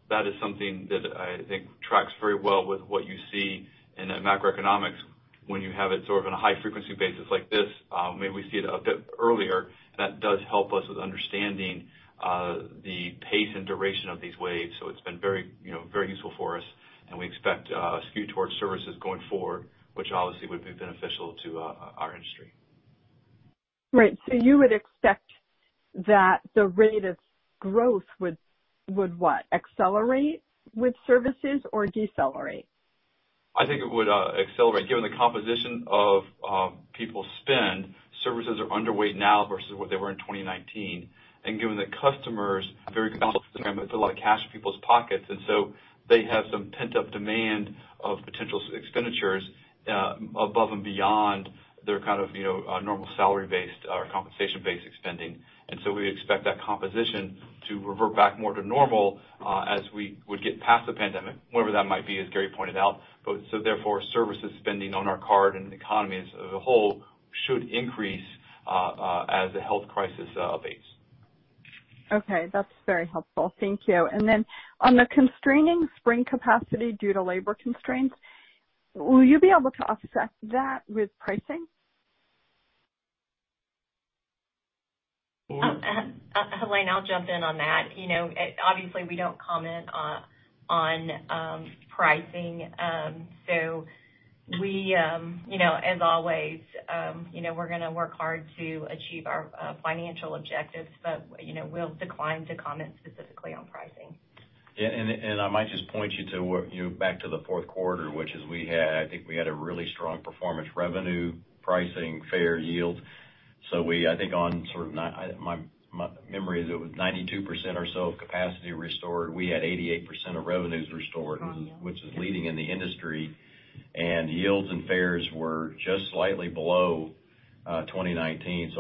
That is something that I think tracks very well with what you see in the macroeconomics when you have it sort of on a high-frequency basis like this. Maybe we see it a bit earlier, and that does help us with understanding the pace and duration of these waves. It's been very, you know, very useful for us, and we expect a skew towards services going forward, which obviously would be beneficial to our industry. Right. You would expect that the rate of growth would what? Accelerate with services or decelerate? I think it would accelerate. Given the composition of people's spend, services are underweight now versus what they were in 2019. Given that customers very comfortable, it's a lot of cash in people's pockets, and they have some pent-up demand of potential expenditures above and beyond their kind of, you know, normal salary-based or compensation-based spending. We expect that composition to revert back more to normal as we would get past the pandemic, whenever that might be, as Gary pointed out. Therefore, services spending on our card and the economy as a whole should increase as the health crisis abates. Okay. That's very helpful. Thank you. On the constraining spring capacity due to labor constraints, will you be able to offset that with pricing? Helane, I'll jump in on that. You know, obviously we don't comment on pricing. We, you know, as always, you know, we're gonna work hard to achieve our financial objectives, but, you know, we'll decline to comment specifically on pricing. Yeah, I might just point you to what, you know, back to the Q4, which is we had, I think we had a really strong performance revenue pricing fare yield. We, I think, in my memory is it was 92% or so of capacity restored. We had 88% of revenues restored. Oh, yeah. which is leading in the industry. Yields and fares were just slightly below 2019.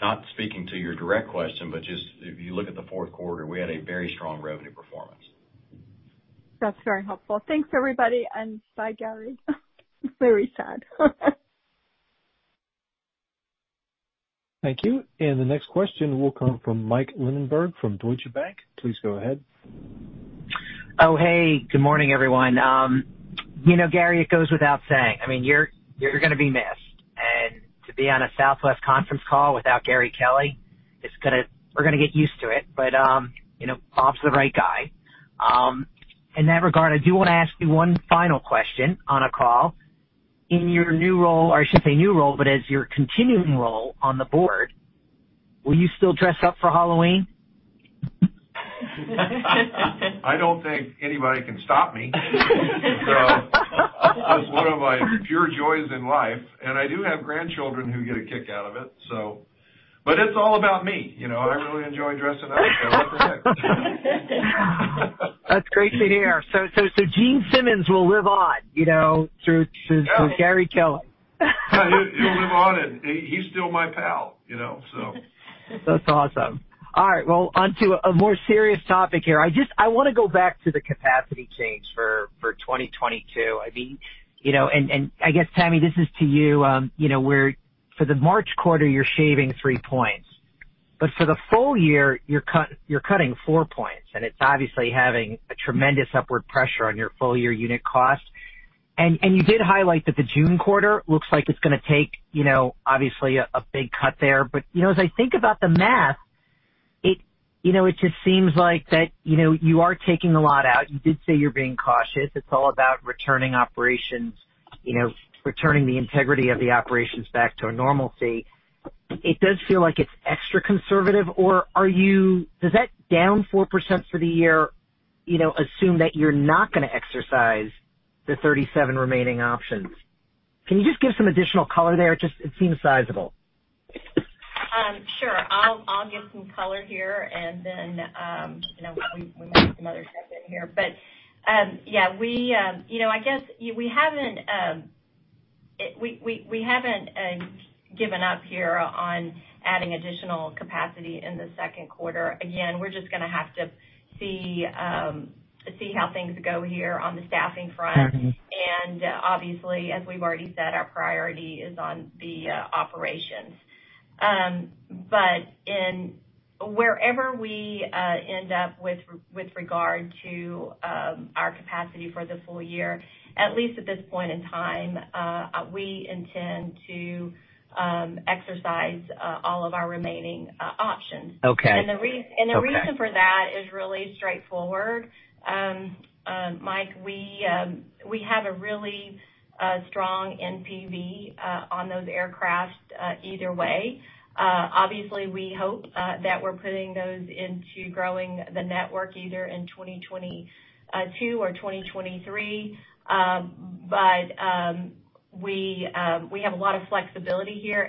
Not speaking to your direct question, but just if you look at the Q4, we had a very strong revenue performance. That's very helpful. Thanks, everybody, and bye, Gary. Very sad. Thank you. The next question will come from Mike Linenberg from Deutsche Bank. Please go ahead. Oh, hey, good morning, everyone. You know, Gary, it goes without saying, I mean, you're gonna be missed. To be on a Southwest conference call without Gary Kelly is gonna. We're gonna get used to it, but, you know, Bob's the right guy. In that regard, I do wanna ask you one final question on a call. In your new role, or I shouldn't say new role, but as your continuing role on the board, will you still dress up for Halloween? I don't think anybody can stop me. That's one of my pure joys in life, and I do have grandchildren who get a kick out of it. It's all about me. You know, I really enjoy dressing up. I'll keep it. That's great to hear. Gene Simmons will live on, you know, through Gary Kelly. He'll live on, and he's still my pal, you know, so. That's awesome. All right, well, onto a more serious topic here. I wanna go back to the capacity change for 2022. I mean, you know, I guess, Tammy, this is to you know, where for the March quarter, you're shaving 3 points. For the full year, you're cutting 4 points, and it's obviously having a tremendous upward pressure on your full year unit cost. You did highlight that the June quarter looks like it's gonna take, you know, obviously a big cut there. You know, as I think about the math, it, you know, it just seems like that, you know, you are taking a lot out. You did say you're being cautious. It's all about returning operations, you know, returning the integrity of the operations back to a normalcy. It does feel like it's extra conservative, or are you, that's down 4% for the year, you know, assume that you're not gonna exercise the 37 remaining options? Can you just give some additional color there? Just, it seems sizable. Sure. I'll give some color here and then, you know, we might have some other stuff in here. But, yeah, we, you know, I guess we haven't given up here on adding additional capacity in the Q2. Again, we're just gonna have to see how things go here on the staffing front. Mm-hmm. Obviously, as we've already said, our priority is on the operations. In whatever we end up with regard to our capacity for the full year, at least at this point in time, we intend to exercise all of our remaining options. Okay. The reason for that is really straightforward. Mike, we have a really strong NPV on those aircraft either way. Obviously, we hope that we're putting those into growing the network either in 2022 or 2023. We have a lot of flexibility here.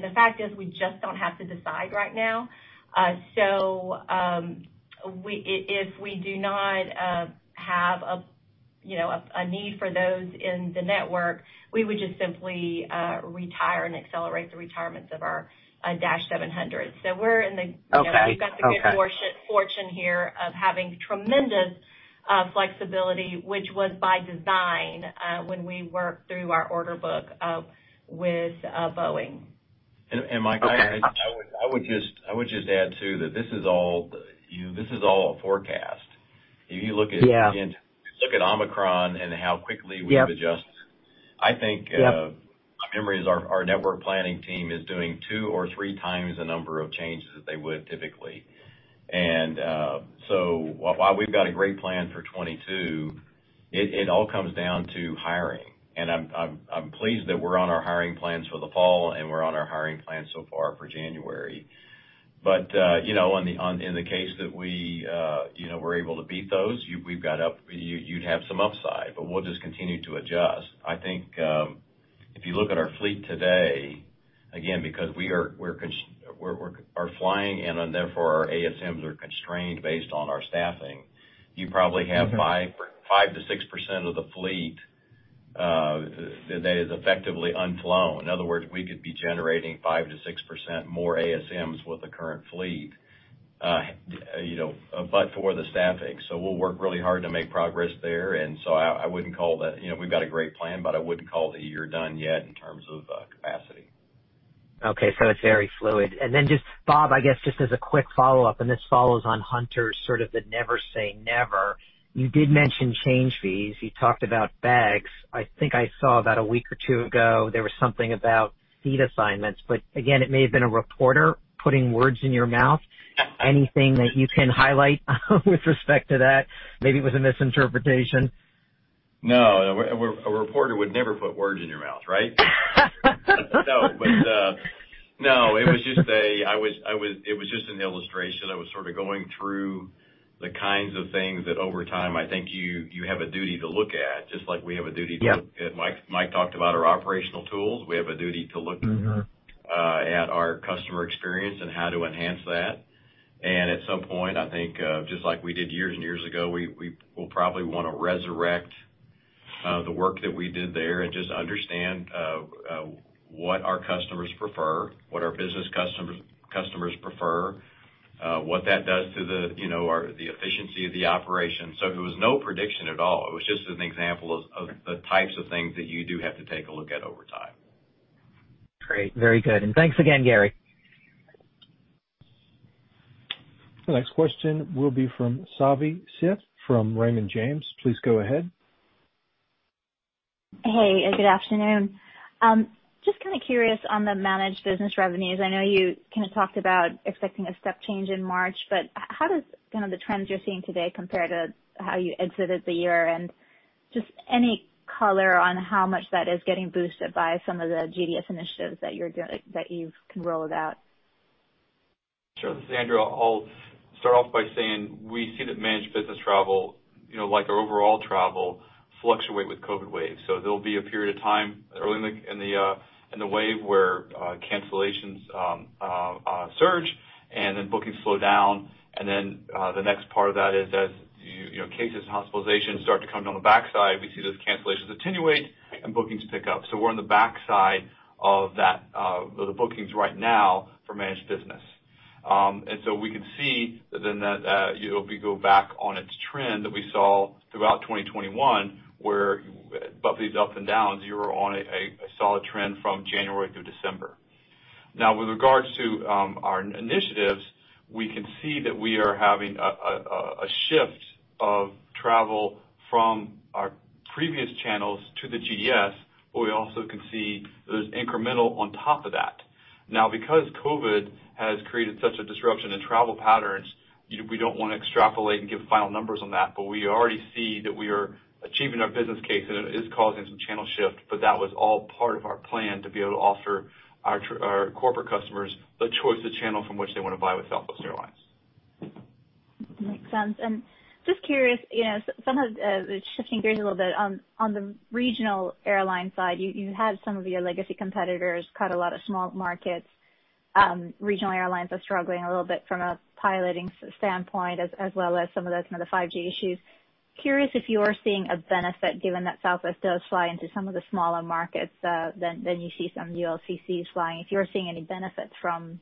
The fact is we just don't have to decide right now. If we do not have, you know, a need for those in the network, we would just simply retire and accelerate the retirements of our -700. So we're in the... Okay. You know, we've got the good fortune here of having tremendous flexibility, which was by design, when we worked through our order book with Boeing. Okay. Mike, I would just add too that this is all a forecast. If you look at Yeah. Look at Omicron and how quickly. Yep. We've adjusted. I think my memory is our network planning team is doing two or three times the number of changes that they would typically. While we've got a great plan for 2022, it all comes down to hiring. I'm pleased that we're on our hiring plans for the fall, and we're on our hiring plans so far for January. You know, in the case that we, you know, we're able to beat those, you've got some upside, but we'll just continue to adjust. I think, if you look at our fleet today, again, because we're constrained and therefore our ASMs are constrained based on our staffing, you probably have 5%-6% of the fleet that is effectively unflown. In other words, we could be generating 5%-6% more ASMs with the current fleet, you know, but for the staffing. We'll work really hard to make progress there. I wouldn't call that a year done yet in terms of capacity. You know, we've got a great plan, but I wouldn't call it a year done yet in terms of capacity. Okay. It's very fluid. Then just, Bob, I guess just as a quick follow-up, and this follows on Hunter's sort of the never say never. You did mention change fees. You talked about bags. I think I saw about a week or two ago there was something about seat assignments. But again, it may have been a reporter putting words in your mouth. Anything that you can highlight with respect to that? Maybe it was a misinterpretation. No. A reporter would never put words in your mouth, right? No. But, no, it was just an illustration. I was sort of going through the kinds of things that over time, I think you have a duty to look at, just like we have a duty to look at- Yeah. Mike talked about our operational tools. We have a duty to look- Mm-hmm. At our customer experience and how to enhance that. At some point, I think, just like we did years and years ago, we will probably wanna resurrect the work that we did there and just understand what our customers prefer, what our business customers prefer, what that does to the, you know, our efficiency of the operation. It was no prediction at all. It was just an example of the types of things that you do have to take a look at over time. Great. Very good. Thanks again, Gary. The next question will be from Savi Syth from Raymond James. Please go ahead. Hey, good afternoon. Just kinda curious on the managed business revenues. I know you kinda talked about expecting a step change in March, but how does kind of the trends you're seeing today compare to how you exited the year? Just any color on how much that is getting boosted by some of the GDS initiatives that you've rolled out? Sure. This is Andrew. I'll start off by saying we see that managed business travel, you know, like our overall travel fluctuate with COVID waves. There'll be a period of time early in the wave where cancellations surge and then bookings slow down. The next part of that is as- You know, cases and hospitalizations start to come down the backside. We see those cancellations attenuate and bookings pick up. We're on the backside of that, the bookings right now for managed business. We can see then that, you know, we go back on its trend that we saw throughout 2021, where above these up and downs, you were on a solid trend from January through December. Now, with regards to our initiatives, we can see that we are having a shift of travel from our previous channels to the GDS, but we also can see there's incremental on top of that. Now, because COVID has created such a disruption in travel patterns, we don't wanna extrapolate and give final numbers on that, but we already see that we are achieving our business case and it is causing some channel shift, but that was all part of our plan to be able to offer our corporate customers the choice of channel from which they wanna buy with Southwest Airlines. Makes sense. Just curious, you know, some of the shifting gears a little bit, on the regional airline side, you had some of your legacy competitors cut a lot of small markets. Regional airlines are struggling a little bit from a piloting standpoint, as well as some of those kind of 5G issues. Curious if you are seeing a benefit, given that Southwest does fly into some of the smaller markets, than you see some of the LCCs flying, if you are seeing any benefit from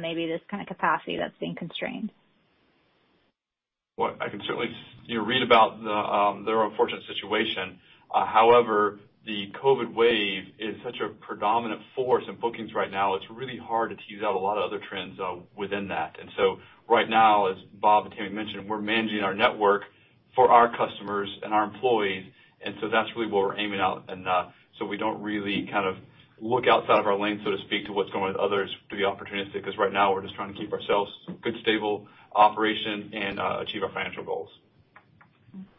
maybe this kind of capacity that's being constrained. Well, I can certainly, you know, read about the, their unfortunate situation. However, the COVID wave is such a predominant force in bookings right now, it's really hard to tease out a lot of other trends, within that. We don't really kind of look outside of our lane, so to speak, to what's going with others for the opportunistic, 'cause right now we're just trying to keep ourselves good, stable operation and, achieve our financial goals.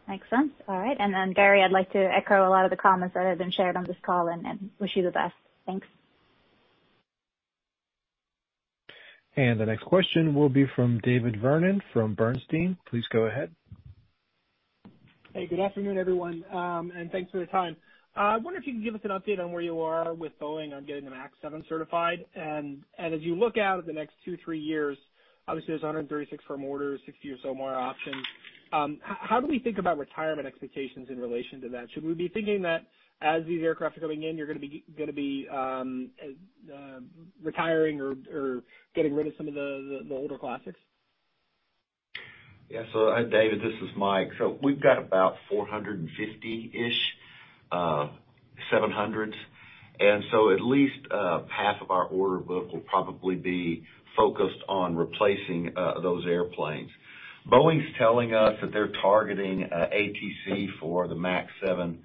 Makes sense. All right. Gary, I'd like to echo a lot of the comments that have been shared on this call and wish you the best. Thanks. And the next question will be from David Vernon from Bernstein. Please go ahead. Hey, good afternoon, everyone, and thanks for your time. I wonder if you can give us an update on where you are with Boeing on getting the MAX 7 certified. As you look out at the next 2, 3 years, obviously there's 136 firm orders, 60 or so more options. How do we think about retirement expectations in relation to that? Should we be thinking that as these aircraft are coming in, you're gonna be retiring or getting rid of some of the older classics? Yeah, David, this is Mike. We've got about 450-ish 737-700s. At least half of our order book will probably be focused on replacing those airplanes. Boeing's telling us that they're targeting ATC for the MAX 7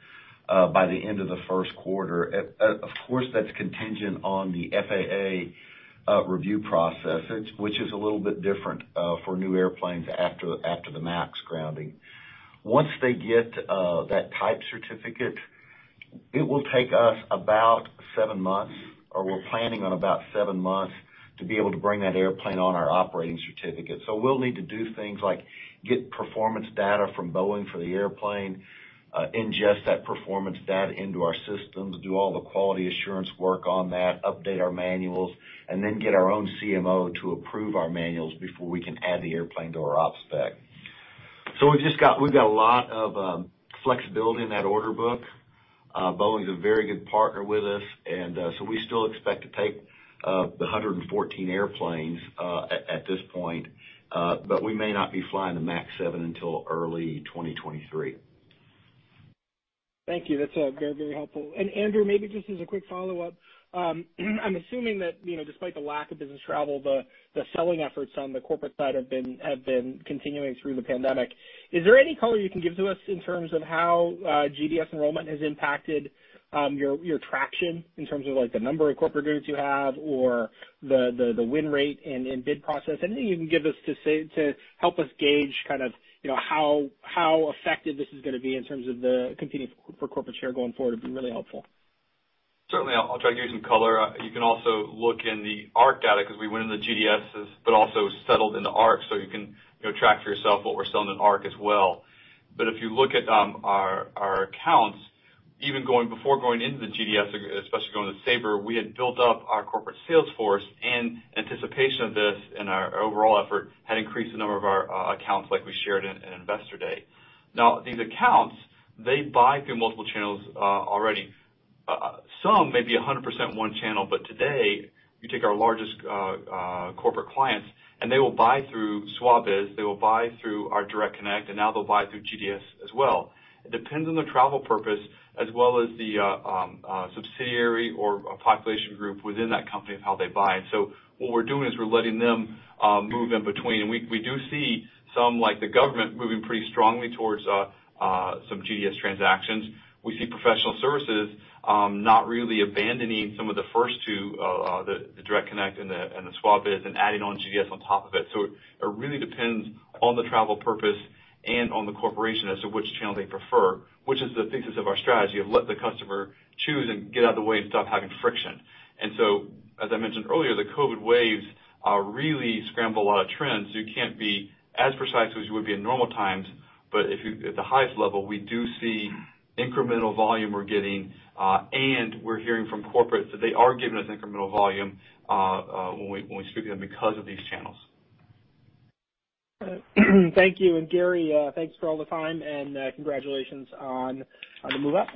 by the end of the Q1. Of course, that's contingent on the FAA review process, which is a little bit different for new airplanes after the MAX grounding. Once they get that type certificate, it will take us about seven months, or we're planning on about seven months, to be able to bring that airplane on our operating certificate. We'll need to do things like get performance data from Boeing for the airplane, ingest that performance data into our systems, do all the quality assurance work on that, update our manuals, and then get our own CMO to approve our manuals before we can add the airplane to our ops spec. We've got a lot of flexibility in that order book. Boeing's a very good partner with us, and so we still expect to take the 114 airplanes at this point, but we may not be flying the MAX 7 until early 2023. Thank you. That's very, very helpful. Andrew, maybe just as a quick follow-up. I'm assuming that, you know, despite the lack of business travel, the selling efforts on the corporate side have been continuing through the pandemic. Is there any color you can give to us in terms of how GDS enrollment has impacted your traction in terms of, like, the number of corporate groups you have or the win rate in bid process? Anything you can give us to help us gauge kind of, you know, how effective this is gonna be in terms of the competing for corporate share going forward, it'd be really helpful. Certainly, I'll try to give you some color. You can also look in the ARC data because we went into GDSs, but also settled into ARC, so you can, you know, track for yourself what we're selling in ARC as well. If you look at our accounts, even before going into the GDS, especially going to Sabre, we had built up our corporate sales force in anticipation of this, and our overall effort had increased the number of our accounts like we shared in an investor day. Now, these accounts, they buy through multiple channels already. Some may be 100% one channel, but today, you take our largest corporate clients, and they will buy through SWABIZ, they will buy through our Direct Connect, and now they'll buy through GDS as well. It depends on the travel purpose as well as the subsidiary or population group within that company of how they buy. What we're doing is we're letting them move in between. We do see some like the government moving pretty strongly towards some GDS transactions. We see professional services not really abandoning some of the first two, the Direct Connect and the SWABIZ, and adding on GDS on top of it. It really depends on the travel purpose and on the corporation as to which channel they prefer, which is the thesis of our strategy of let the customer choose and get out of the way and stop having friction. As I mentioned earlier, the COVID waves really scramble a lot of trends. You can't be as precise as you would be in normal times. At the highest level, we do see incremental volume we're getting, and we're hearing from corporate that they are giving us incremental volume, when we speak to them because of these channels. Thank you. And Gary, thanks for all the time and congratulations on the move up.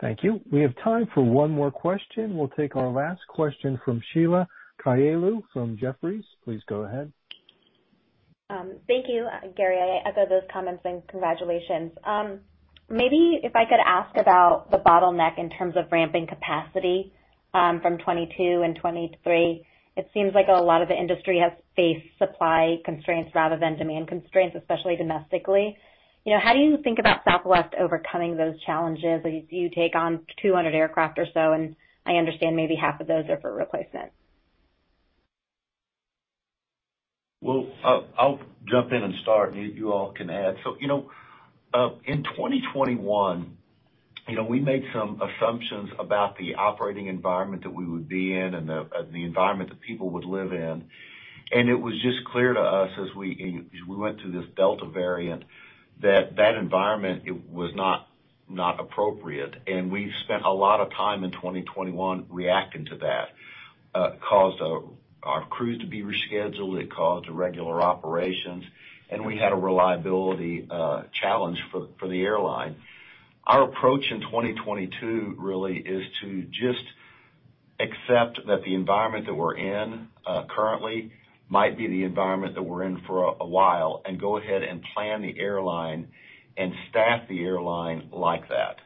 Thank you. We have time for one more question. We'll take our last question from Sheila Kahyaoglu from Jefferies. Please go ahead. Thank you, Gary. I echo those comments, and congratulations. Maybe if I could ask about the bottleneck in terms of ramping capacity from 2022 and 2023. It seems like a lot of the industry has faced supply constraints rather than demand constraints, especially domestically. You know, how do you think about Southwest overcoming those challenges as you take on 200 aircraft or so? I understand maybe half of those are for replacement. Well, I'll jump in and start, and you all can add. You know, in 2021, you know, we made some assumptions about the operating environment that we would be in and the environment that people would live in. It was just clear to us as we went through this Delta variant that that environment, it was not appropriate. We spent a lot of time in 2021 reacting to that caused our crews to be rescheduled, it caused irregular operations, and we had a reliability challenge for the airline. Our approach in 2022 really is to just accept that the environment that we're in currently might be the environment that we're in for a while and go ahead and plan the airline and staff the airline like that.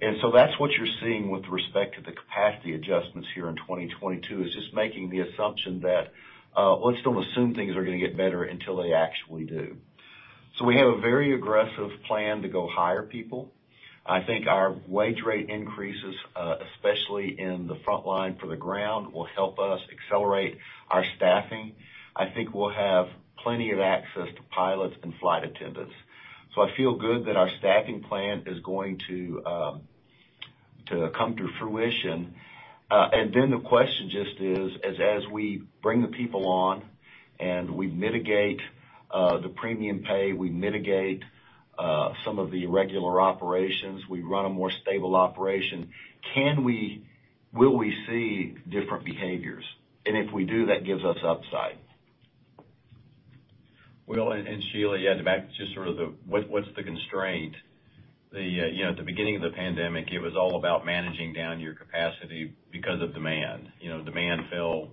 That's what you're seeing with respect to the capacity adjustments here in 2022, is just making the assumption that let's don't assume things are gonna get better until they actually do. We have a very aggressive plan to go hire people. I think our wage rate increases, especially in the front line for the ground, will help us accelerate our staffing. I think we'll have plenty of access to pilots and flight attendants. I feel good that our staffing plan is going to come to fruition. Then the question just is as we bring the people on and we mitigate the premium pay, we mitigate some of the irregular operations, we run a more stable operation, will we see different behaviors? If we do, that gives us upside. Well, and Sheila, yeah, back to just sort of what's the constraint. You know, at the beginning of the pandemic, it was all about managing down your capacity because of demand. You know, demand fell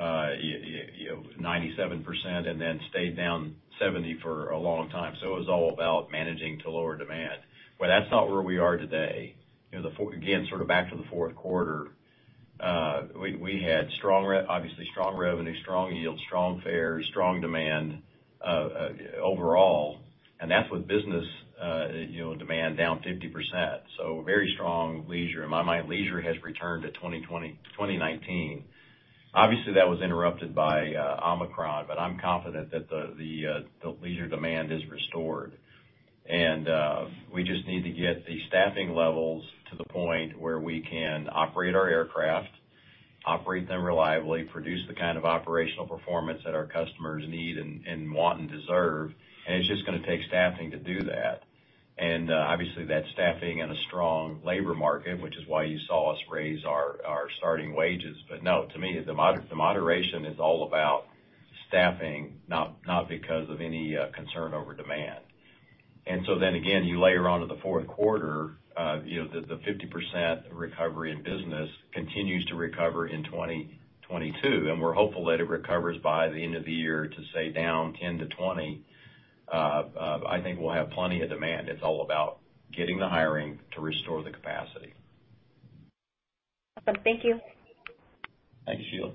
97% and then stayed down 70% for a long time. It was all about managing to lower demand. Well, that's not where we are today. You know, again, sort of back to the Q4, we had strong revenue, strong yield, strong fares, strong demand overall, and that's with business demand down 50%. Very strong leisure. In my mind, leisure has returned to 2019. Obviously, that was interrupted by Omicron, but I'm confident that the leisure demand is restored. We just need to get the staffing levels to the point where we can operate our aircraft, operate them reliably, produce the kind of operational performance that our customers need and want and deserve, and it's just gonna take staffing to do that. Obviously that staffing in a strong labor market, which is why you saw us raise our starting wages. No, to me, the moderation is all about staffing, not because of any concern over demand. You layer onto the Q4, you know, the 50% recovery in business continues to recover in 2022, and we're hopeful that it recovers by the end of the year to say down 10-20. I think we'll have plenty of demand. It's all about getting the hiring to restore the capacity. Awesome. Thank you. Thank you, Sheila.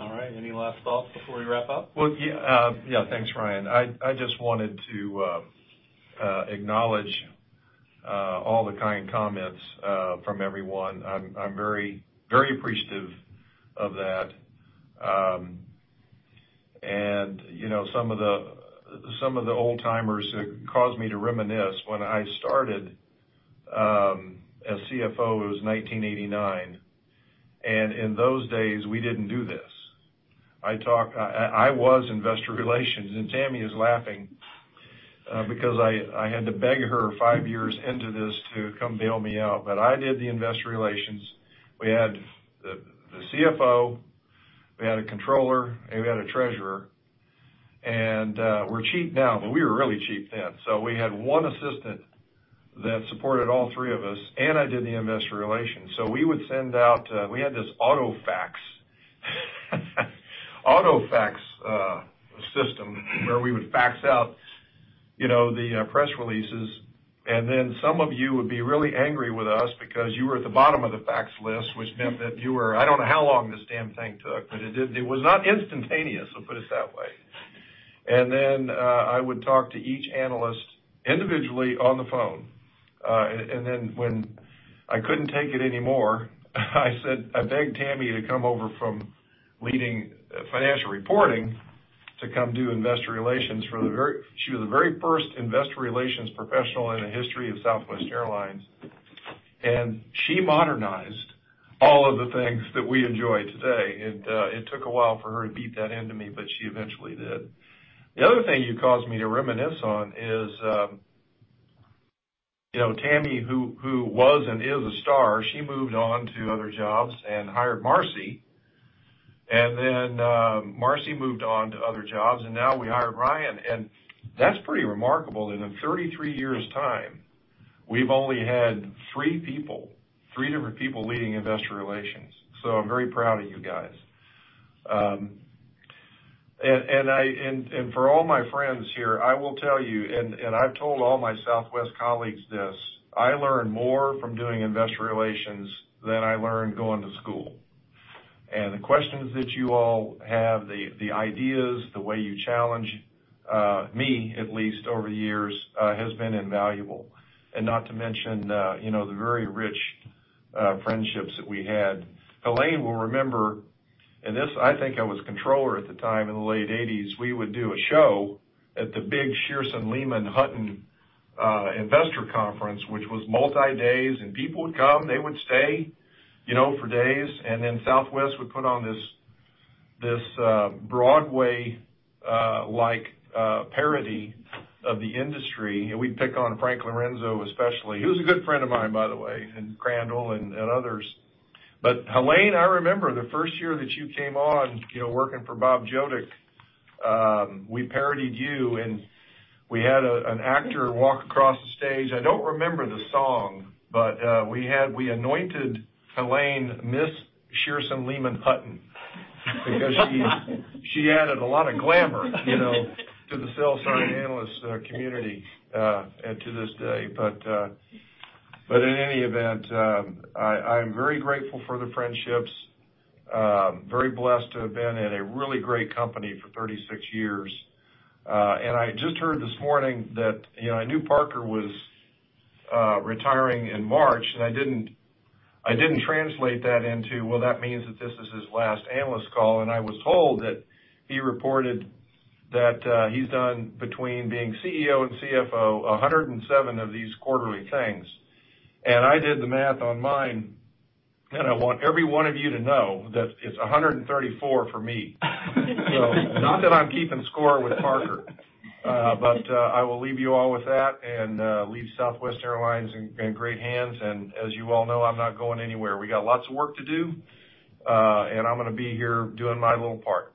All right. Any last thoughts before we wrap up? Yeah, thanks, Ryan. I just wanted to acknowledge all the kind comments from everyone. I'm very appreciative of that. You know, some of the old-timers caused me to reminisce when I started as CFO. It was 1989, and in those days, we didn't do this. I was investor relations, and Tammy is laughing because I had to beg her five years into this to come bail me out, but I did the investor relations. We had the CFO, we had a controller, and we had a treasurer. We're cheap now, but we were really cheap then. We had one assistant that supported all three of us, and I did the investor relations. We would send out, we had this auto fax system where we would fax out, you know, the press releases, and then some of you would be really angry with us because you were at the bottom of the fax list, which meant that you were. I don't know how long this damn thing took, but it was not instantaneous, we'll put it that way. I would talk to each analyst individually on the phone. When I couldn't take it anymore, I begged Tammy to come over from leading financial reporting to come do investor relations. She was the very first investor relations professional in the history of Southwest Airlines. She modernized all of the things that we enjoy today. It took a while for her to beat that into me, but she eventually did. The other thing you caused me to reminisce on is, you know, Tammy, who was and is a star, she moved on to other jobs and hired Marcy. Then, Marcy moved on to other jobs, and now we hired Ryan. That's pretty remarkable that in 33 years' time, we've only had three people, three different people leading investor relations. I'm very proud of you guys. For all my friends here, I will tell you, and I've told all my Southwest colleagues this, I learn more from doing investor relations than I learned going to school. The questions that you all have, the ideas, the way you challenge me at least over the years has been invaluable. Not to mention, you know, the very rich friendships that we had. Helane will remember, and this, I think I was controller at the time in the late eighties, we would do a show at the big Shearson Lehman Hutton investor conference, which was multi-days, and people would come, they would stay, you know, for days. Southwest would put on this Broadway like parody of the industry. We'd pick on Frank Lorenzo, especially. He was a good friend of mine, by the way, and Crandall and others. Helene, I remember the first year that you came on, you know, working for Bob Joedicke, we parodied you, and we had an actor walk across the stage. I don't remember the song, but we had... We anointed Helane Miss Shearson Lehman Hutton because she added a lot of glamour, you know, to the sell-side analyst community and to this day. In any event, I'm very grateful for the friendships, very blessed to have been at a really great company for 36 years. I just heard this morning that, you know, I knew Parker was retiring in March, and I didn't translate that into, well, that means that this is his last analyst call. I was told that he reported that he's done between being CEO and CFO, 107 of these quarterly things. I did the math on mine, and I want every one of you to know that it's 134 for me. Not that I'm keeping score with Parker. I will leave you all with that and leave Southwest Airlines in great hands. As you all know, I'm not going anywhere. We got lots of work to do, and I'm gonna be here doing my little part.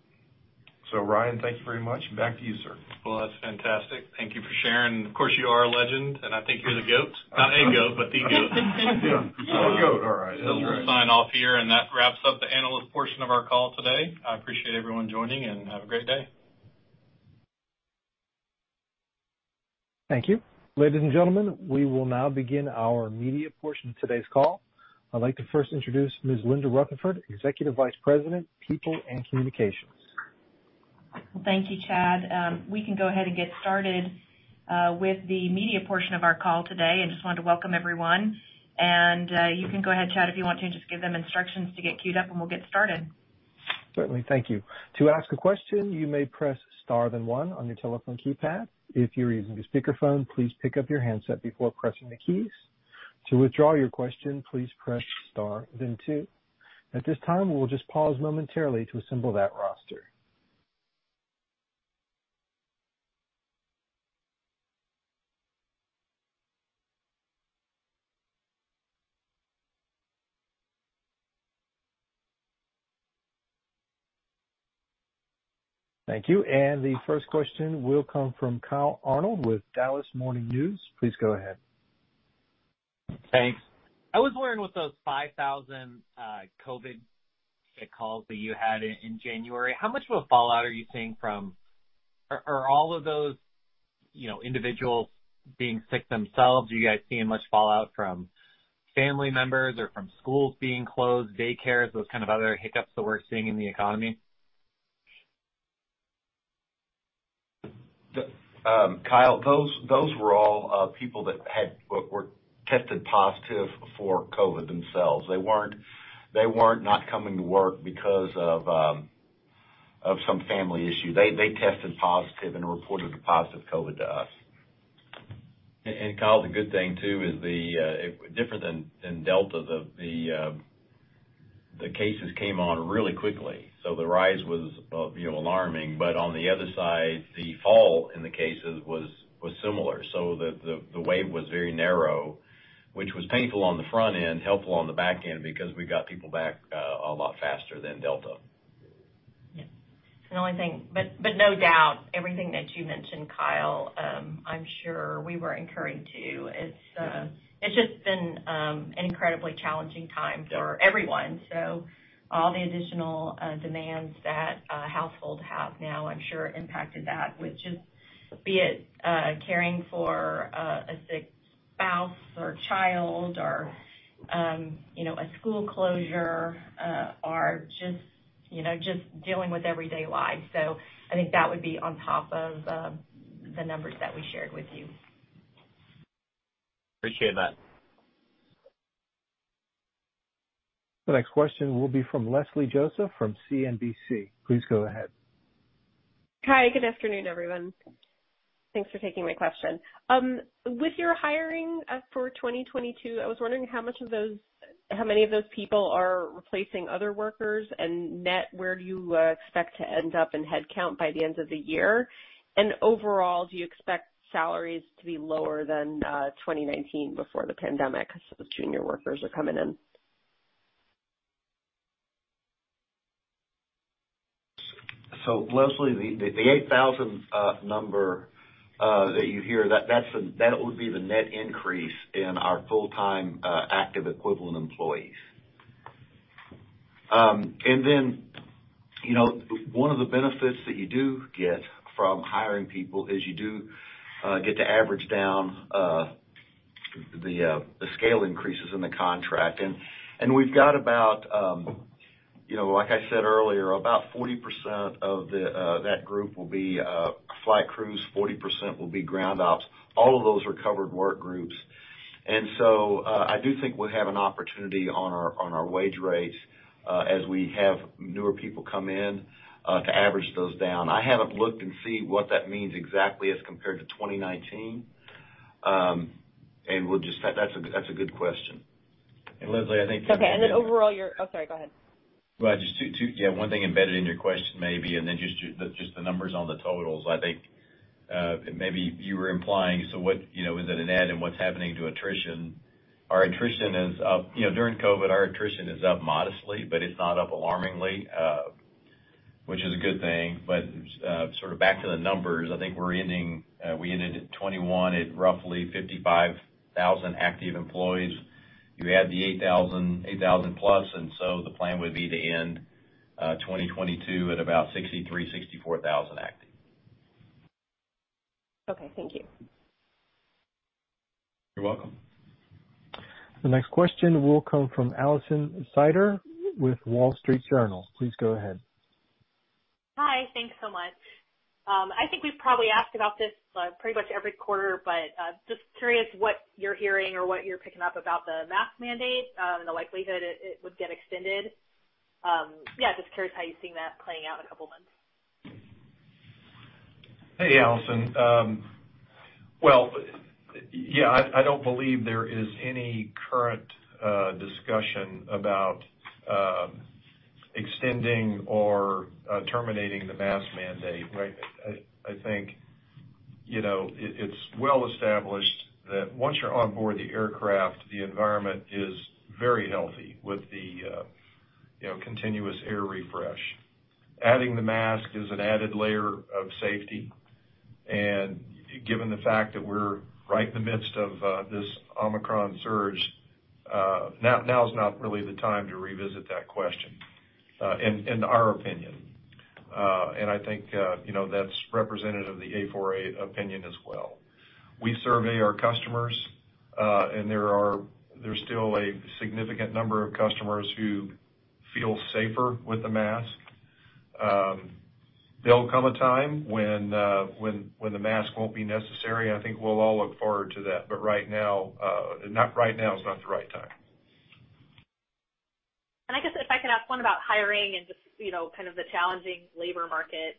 Ryan, thank you very much, and back to you, sir. Well, that's fantastic. Thank you for sharing. Of course, you are a legend, and I think you're the GOAT. Not a goat, but the GOAT. The GOAT. All right. That's right. We'll sign off here, and that wraps up the analyst portion of our call today. I appreciate everyone joining, and have a great day. Thank you. Ladies and gentlemen, we will now begin our media portion of today's call. I'd like to first introduce Ms. Linda Rutherford, Executive Vice President, People and Communications. Thank you, Chad. We can go ahead and get started with the media portion of our call today. I just wanted to welcome everyone. You can go ahead, Chad, if you want to just give them instructions to get queued up, and we'll get started. Certainly. Thank you. To ask a question, you may press star then one on your telephone keypad. If you're using a speakerphone, please pick up your handset before pressing the keys. To withdraw your question, please press star then two. At this time, we'll just pause momentarily to assemble that roster. Thank you. The first question will come from Kyle Arnold with The Dallas Morning News. Please go ahead. Thanks. I was wondering with those 5,000 COVID sick calls that you had in January, how much of a fallout are you seeing from? Are all of those, you know, individuals being sick themselves? Are you guys seeing much fallout from family members or from schools being closed, daycares, those kind of other hiccups that we're seeing in the economy? Kyle, those were all people that were tested positive for COVID themselves. They weren't not coming to work because of some family issue. They tested positive and reported the positive COVID to us. Kyle, the good thing too is it's different than Delta. The cases came on really quickly. The rise was, you know, alarming, but on the other side, the fall in the cases was similar. The wave was very narrow, which was painful on the front end, helpful on the back end because we got people back a lot faster than Delta. No doubt, everything that you mentioned, Kyle, I'm sure we were incurring, too. It's just been an incredibly challenging time for everyone. All the additional demands that a household have now, I'm sure, impacted that. Which is, be it, caring for a sick spouse or child or, you know, a school closure, or just, you know, just dealing with everyday life. I think that would be on top of the numbers that we shared with you. Appreciate that. The next question will be from Leslie Josephs from CNBC. Please go ahead. Hi. Good afternoon, everyone. Thanks for taking my question. With your hiring, for 2022, I was wondering how much of those How many of those people are replacing other workers and net, where do you expect to end up in headcount by the end of the year? Overall, do you expect salaries to be lower than 2019 before the pandemic as the junior workers are coming in? Leslie, the 8,000 number that you hear, that's the net increase in our full-time active equivalent employees. You know, one of the benefits that you do get from hiring people is you do get to average down the scale increases in the contract. We've got about 40% of that group will be flight crews, 40% will be ground ops. All of those are covered work groups. I do think we have an opportunity on our wage rates as we have newer people come in to average those down. I haven't looked to see what that means exactly as compared to 2019. That's a good question. Leslie, I think- Oh, sorry, go ahead. Just two, yeah, one thing embedded in your question maybe and then just the numbers on the totals, I think, maybe you were implying, so what, you know, is it a net and what's happening to attrition? Our attrition is up. You know, during COVID, our attrition is up modestly, but it's not up alarmingly, which is a good thing. Sort of back to the numbers, I think we ended 2021 at roughly 55,000 active employees. You add the 8,000 plus, and the plan would be to end 2022 at about 63,000-64,000 active. Okay. Thank you. You're welcome. The next question will come from Alison Sider with The Wall Street Journal. Please go ahead. Hi. Thanks so much. I think we've probably asked about this pretty much every quarter, but just curious what you're hearing or what you're picking up about the mask mandate and the likelihood it would get extended. Yeah, just curious how you're seeing that playing out in a couple months? Hey, Allison. Well, yeah, I don't believe there is any current discussion about extending or terminating the mask mandate. I think, you know, it's well established that once you're on board the aircraft, the environment is very healthy with the, you know, continuous air refresh. Adding the mask is an added layer of safety. Given the fact that we're right in the midst of this Omicron surge, now is not really the time to revisit that question in our opinion. I think, you know, that's representative of the A4A opinion as well. We survey our customers, and there's still a significant number of customers who feel safer with the mask. There'll come a time when the mask won't be necessary, and I think we'll all look forward to that. Right now is not the right time. I guess if I could ask one about hiring and just, you know, kind of the challenging labor market.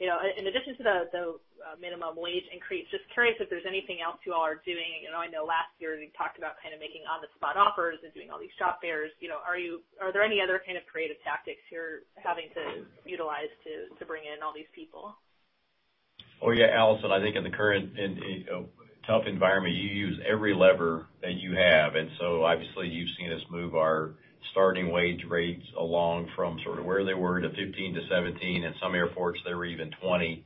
You know, in addition to the minimum wage increase, just curious if there's anything else you all are doing. You know, I know last year you talked about kind of making on-the-spot offers and doing all these job fairs. You know, are there any other kind of creative tactics you're having to utilize to bring in all these people? Oh, yeah, Alison, I think in the current, you know, tough environment, you use every lever that you have. Obviously you've seen us move our starting wage rates along from sort of where they were to $15-$17, and some airports, they were even $20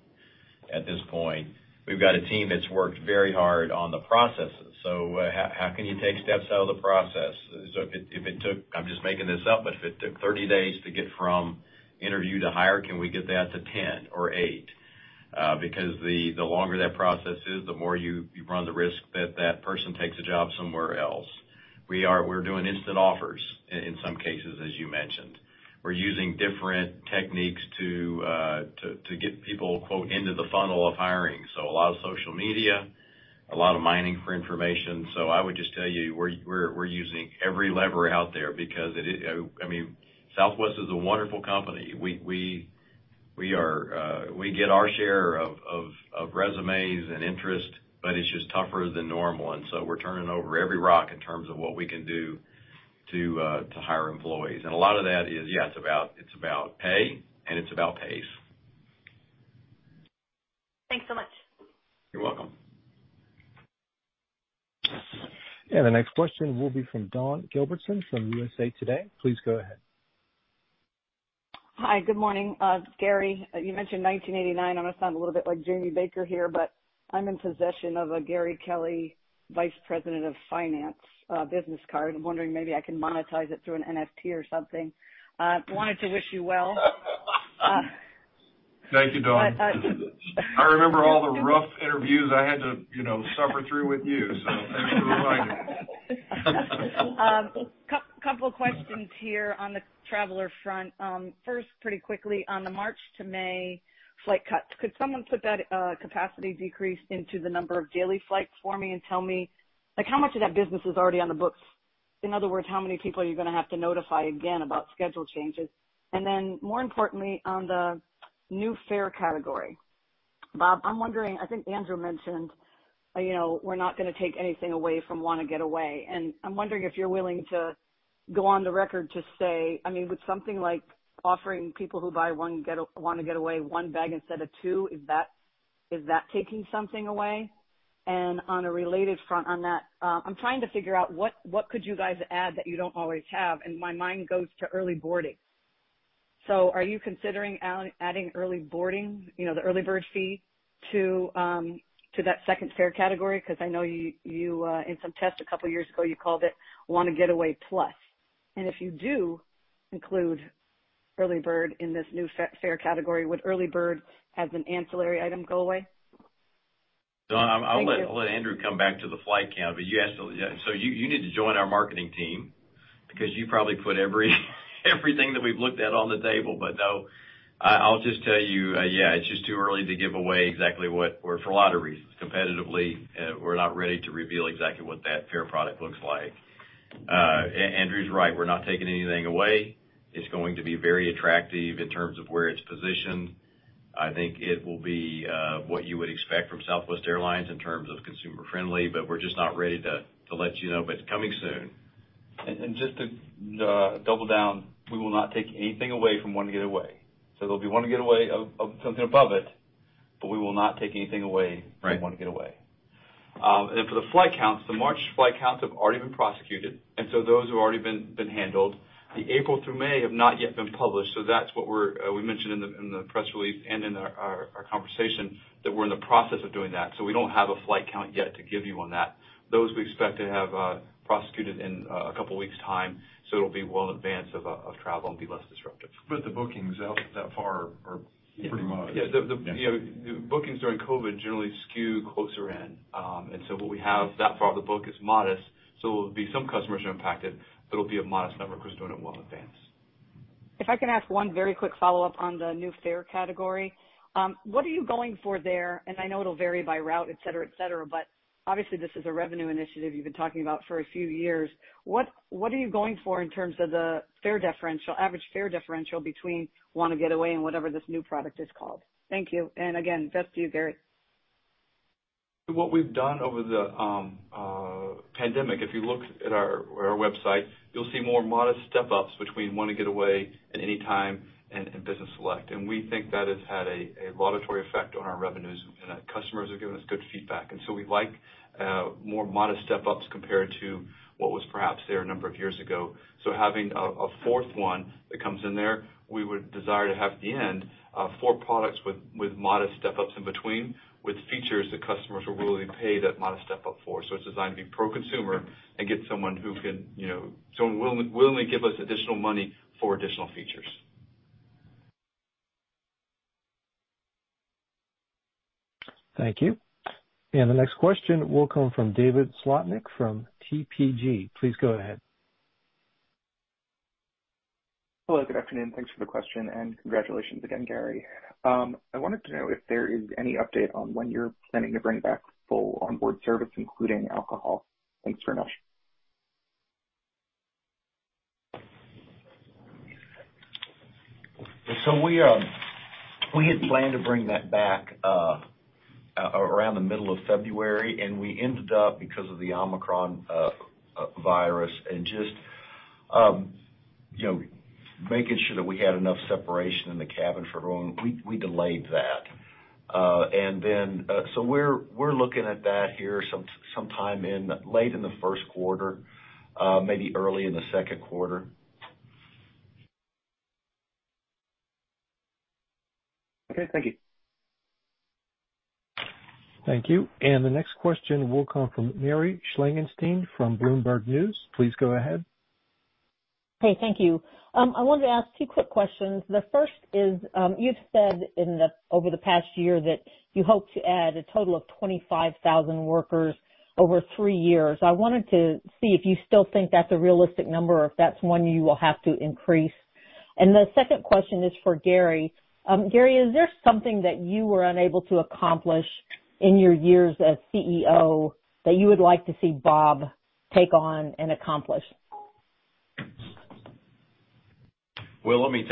at this point. We've got a team that's worked very hard on the processes. How can you take steps out of the process? If it took, I'm just making this up, but if it took 30 days to get from interview to hire, can we get that to 10 or eight? Because the longer that process is, the more you run the risk that that person takes a job somewhere else. We're doing instant offers in some cases, as you mentioned. We're using different techniques to get people, quote, “into the funnel of hiring.” A lot of social media, a lot of mining for information. I would just tell you, we're using every lever out there because I mean, Southwest is a wonderful company. We get our share of resumes and interest, but it's just tougher than normal, and we're turning over every rock in terms of what we can do to hire employees. A lot of that is, yes, it's about pay and it's about pace. Thanks so much. You're welcome. The next question will be from Dawn Gilbertson from USA Today. Please go ahead. Hi. Good morning. Gary, you mentioned 1989. I'm gonna sound a little bit like Jamie Baker here, but I'm in possession of a Gary Kelly, Vice President of Finance, business card. I'm wondering maybe I can monetize it through an NFT or something. Wanted to wish you well. Thank you, Dawn. But, uh- I remember all the rough interviews I had to, you know, suffer through with you, so thanks for reminding. Couple of questions here on the traveler front. First, pretty quickly on the March to May flight cuts, could someone put that capacity decrease into the number of daily flights for me and tell me, like, how much of that business is already on the books? In other words, how many people are you gonna have to notify again about schedule changes? Then more importantly, on the new fare category, Bob, I'm wondering, I think Andrew mentioned, you know, we're not gonna take anything away from Wanna Get Away. I'm wondering if you're willing to go on the record to say, I mean, with something like offering people who buy one get a Wanna Get Away, one bag instead of two, is that taking something away? On a related front on that, I'm trying to figure out what could you guys add that you don't always have? My mind goes to early boarding. Are you considering adding early boarding, you know, the EarlyBird Check-In fee to that second fare category? 'Cause I know you in some tests a couple years ago, you called it Wanna Get Away Plus. If you do include EarlyBird Check-In in this new fare category, would EarlyBird Check-In as an ancillary item go away? No, I'm- Thank you. I'll let Andrew come back to the flight count, but you asked. You need to join our marketing team because you probably put everything that we've looked at on the table. No, I'll just tell you, it's just too early to give away exactly what, or for a lot of reasons. Competitively, we're not ready to reveal exactly what that fare product looks like. Andrew's right. We're not taking anything away. It's going to be very attractive in terms of where it's positioned. I think it will be what you would expect from Southwest Airlines in terms of consumer friendly, but we're just not ready to let you know, but it's coming soon. Just to double down, we will not take anything away from Wanna Get Away. There'll be Wanna Get Away or something above it, but we will not take anything away. Right. From one get to away. For the flight counts, the March flight counts have already been published, so those have already been handled. The April through May have not yet been published, so that's what we mentioned in the press release and in our conversation that we're in the process of doing that. We don't have a flight count yet to give you on that. Those we expect to have published in a couple weeks' time, so it'll be well in advance of travel and be less disruptive. The bookings out that far are pretty much. Yeah. You know, the bookings during COVID generally skew closer in. What we have that far, the book is modest, so it'll be some customers are impacted, but it'll be a modest number 'cause we're doing it well in advance. If I can ask one very quick follow-up on the new fare category. What are you going for there? I know it'll vary by route, et cetera, et cetera, but obviously this is a revenue initiative you've been talking about for a few years. What are you going for in terms of the fare differential, average fare differential between Wanna Get Away and whatever this new product is called? Thank you. Again, Beth to you, Gary. What we've done over the pandemic, if you look at our website, you'll see more modest step-ups between Wanna Get Away and Anytime and Business Select. We think that has had a laudatory effect on our revenues, and our customers have given us good feedback. We like more modest step-ups compared to what was perhaps there a number of years ago. Having a fourth one that comes in there, we would desire to have at the end four products with modest step-ups in between with features that customers are willing to pay that modest step-up for. It's designed to be pro-consumer and get someone who can, you know, someone willing to give us additional money for additional features. Thank you. The next question will come from David Slotnick from TPG. Please go ahead. Hello, good afternoon. Thanks for the question and congratulations again, Gary. I wanted to know if there is any update on when you're planning to bring back full onboard service, including alcohol. Thanks very much. We had planned to bring that back around the middle of February, and we ended up because of the Omicron virus and just you know making sure that we had enough separation in the cabin for everyone. We delayed that. We're looking at that here some time in late in the Q1, maybe early in the Q2. Okay, thank you. Thank you. The next question will come from Mary Schlangenstein from Bloomberg News. Please go ahead. Hey, thank you. I wanted to ask two quick questions. The first is, you've said over the past year that you hope to add a total of 25,000 workers over three years. I wanted to see if you still think that's a realistic number or if that's one you will have to increase. The second question is for Gary. Gary, is there something that you were unable to accomplish in your years as CEO that you would like to see Bob take on and accomplish? Well, let me just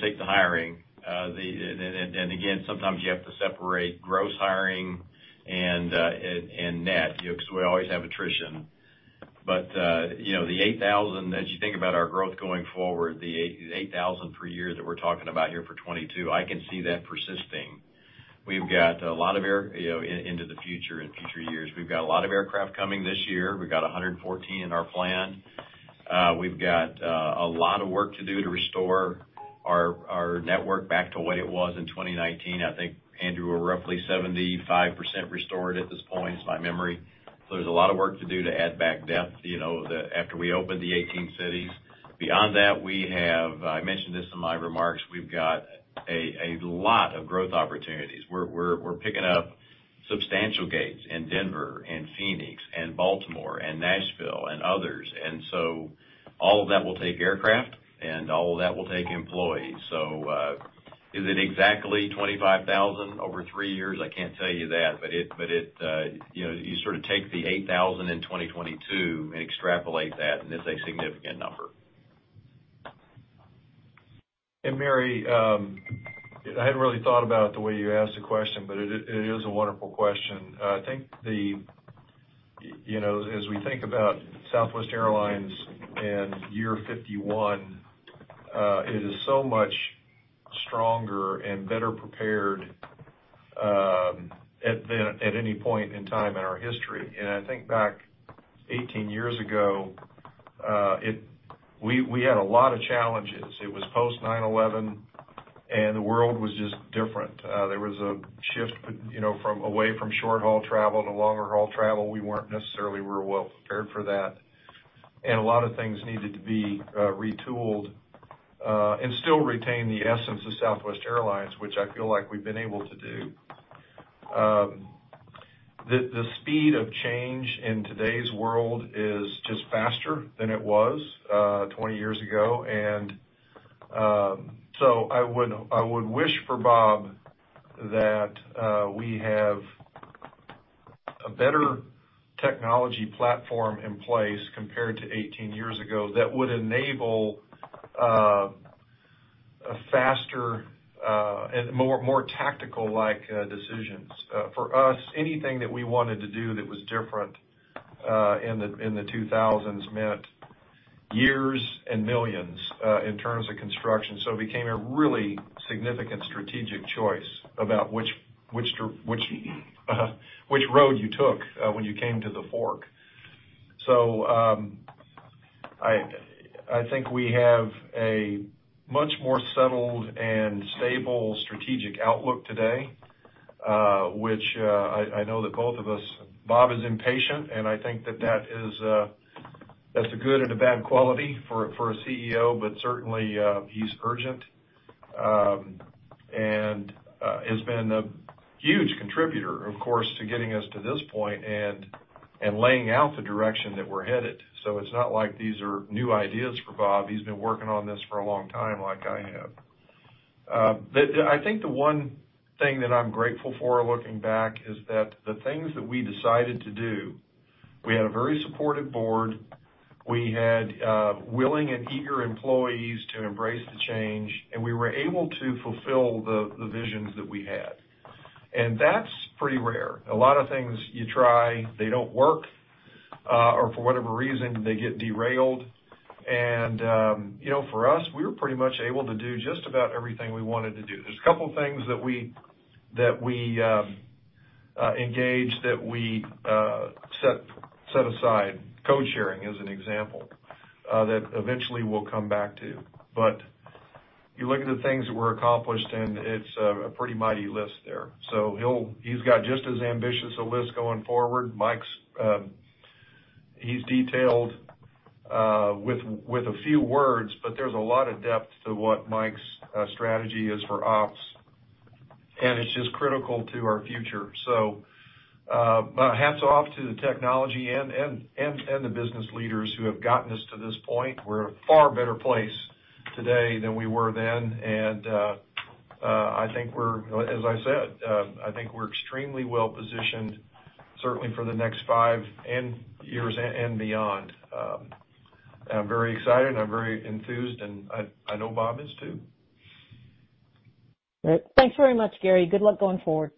take the hiring. And again, sometimes you have to separate gross hiring and net, you know, because we always have attrition. You know, the 8,000, as you think about our growth going forward, the 8,000 per year that we're talking about here for 2022, I can see that persisting. We've got a lot of air, you know, into the future, in future years. We've got a lot of aircraft coming this year. We've got 114 in our plan. We've got a lot of work to do to restore our network back to what it was in 2019. I think, Andrew, we're roughly 75% restored at this point, it's my memory. There's a lot of work to do to add back depth, you know, after we open the 18 cities. Beyond that, we have, I mentioned this in my remarks, we've got a lot of growth opportunities. We're picking up substantial gates in Denver and Phoenix and Baltimore and Nashville and others. All of that will take aircraft and all of that will take employees. Is it exactly 25,000 over three years? I can't tell you that, but it, you know, you sort of take the 8,000 in 2022 and extrapolate that, and it's a significant number. Mary, I hadn't really thought about it the way you asked the question, but it is a wonderful question. I think you know, as we think about Southwest Airlines in year 51, it is so much stronger and better prepared than at any point in time in our history. I think back 18 years ago, we had a lot of challenges. It was post 9/11, and the world was just different. There was a shift, you know, away from short-haul travel to longer-haul travel. We weren't necessarily real well prepared for that. A lot of things needed to be retooled, and still retain the essence of Southwest Airlines, which I feel like we've been able to do. The speed of change in today's world is just faster than it was 20 years ago. I would wish for Bob that we have a better technology platform in place compared to 18 years ago that would enable a faster and more tactical-like decisions. For us, anything that we wanted to do that was different in the 2000s meant years and millions in terms of construction. It became a really significant strategic choice about which road you took when you came to the fork. I think we have a much more settled and stable strategic outlook today, which I know that both of us. Bob is impatient, and I think that is a good and a bad quality for a CEO. Certainly, he's urgent and has been a huge contributor, of course, to getting us to this point and laying out the direction that we're headed. It's not like these are new ideas for Bob. He's been working on this for a long time, like I have. I think the one thing that I'm grateful for looking back is that the things that we decided to do, we had a very supportive board. We had willing and eager employees to embrace the change, and we were able to fulfill the visions that we had. That's pretty rare. A lot of things you try, they don't work, or for whatever reason, they get derailed. You know, for us, we were pretty much able to do just about everything we wanted to do. There's a couple of things that we set aside, code-sharing as an example, that eventually we'll come back to. You look at the things that were accomplished, and it's a pretty mighty list there. He's got just as ambitious a list going forward. Mike's. He's detailed with a few words, but there's a lot of depth to what Mike's strategy is for ops, and it's just critical to our future. Hats off to the technology and the business leaders who have gotten us to this point. We're in a far better place today than we were then. I think we're. As I said, I think we're extremely well-positioned, certainly for the next five years and beyond. I'm very excited, I'm very enthused, and I know Bob is too. Great. Thanks very much, Gary. Good luck going forward.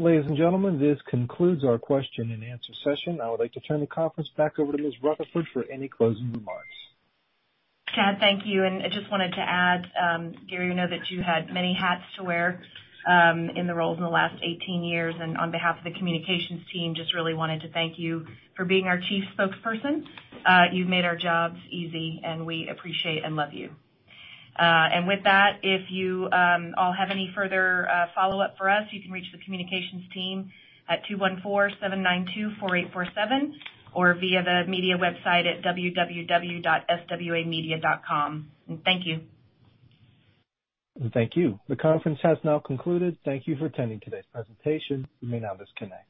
Ladies and gentlemen, this concludes our question-and-answer session. I would like to turn the conference back over to Ms. Rutherford for any closing remarks. Chad, thank you. I just wanted to add, Gary, I know that you had many hats to wear in the roles in the last 18 years. On behalf of the communications team, just really wanted to thank you for being our chief spokesperson. You've made our jobs easy, and we appreciate and love you. With that, if you all have any further follow-up for us, you can reach the communications team at 214-792-4847 or via the media website at www.swamedia.com. Thank you. Thank you. The conference has now concluded. Thank you for attending today's presentation. You may now disconnect.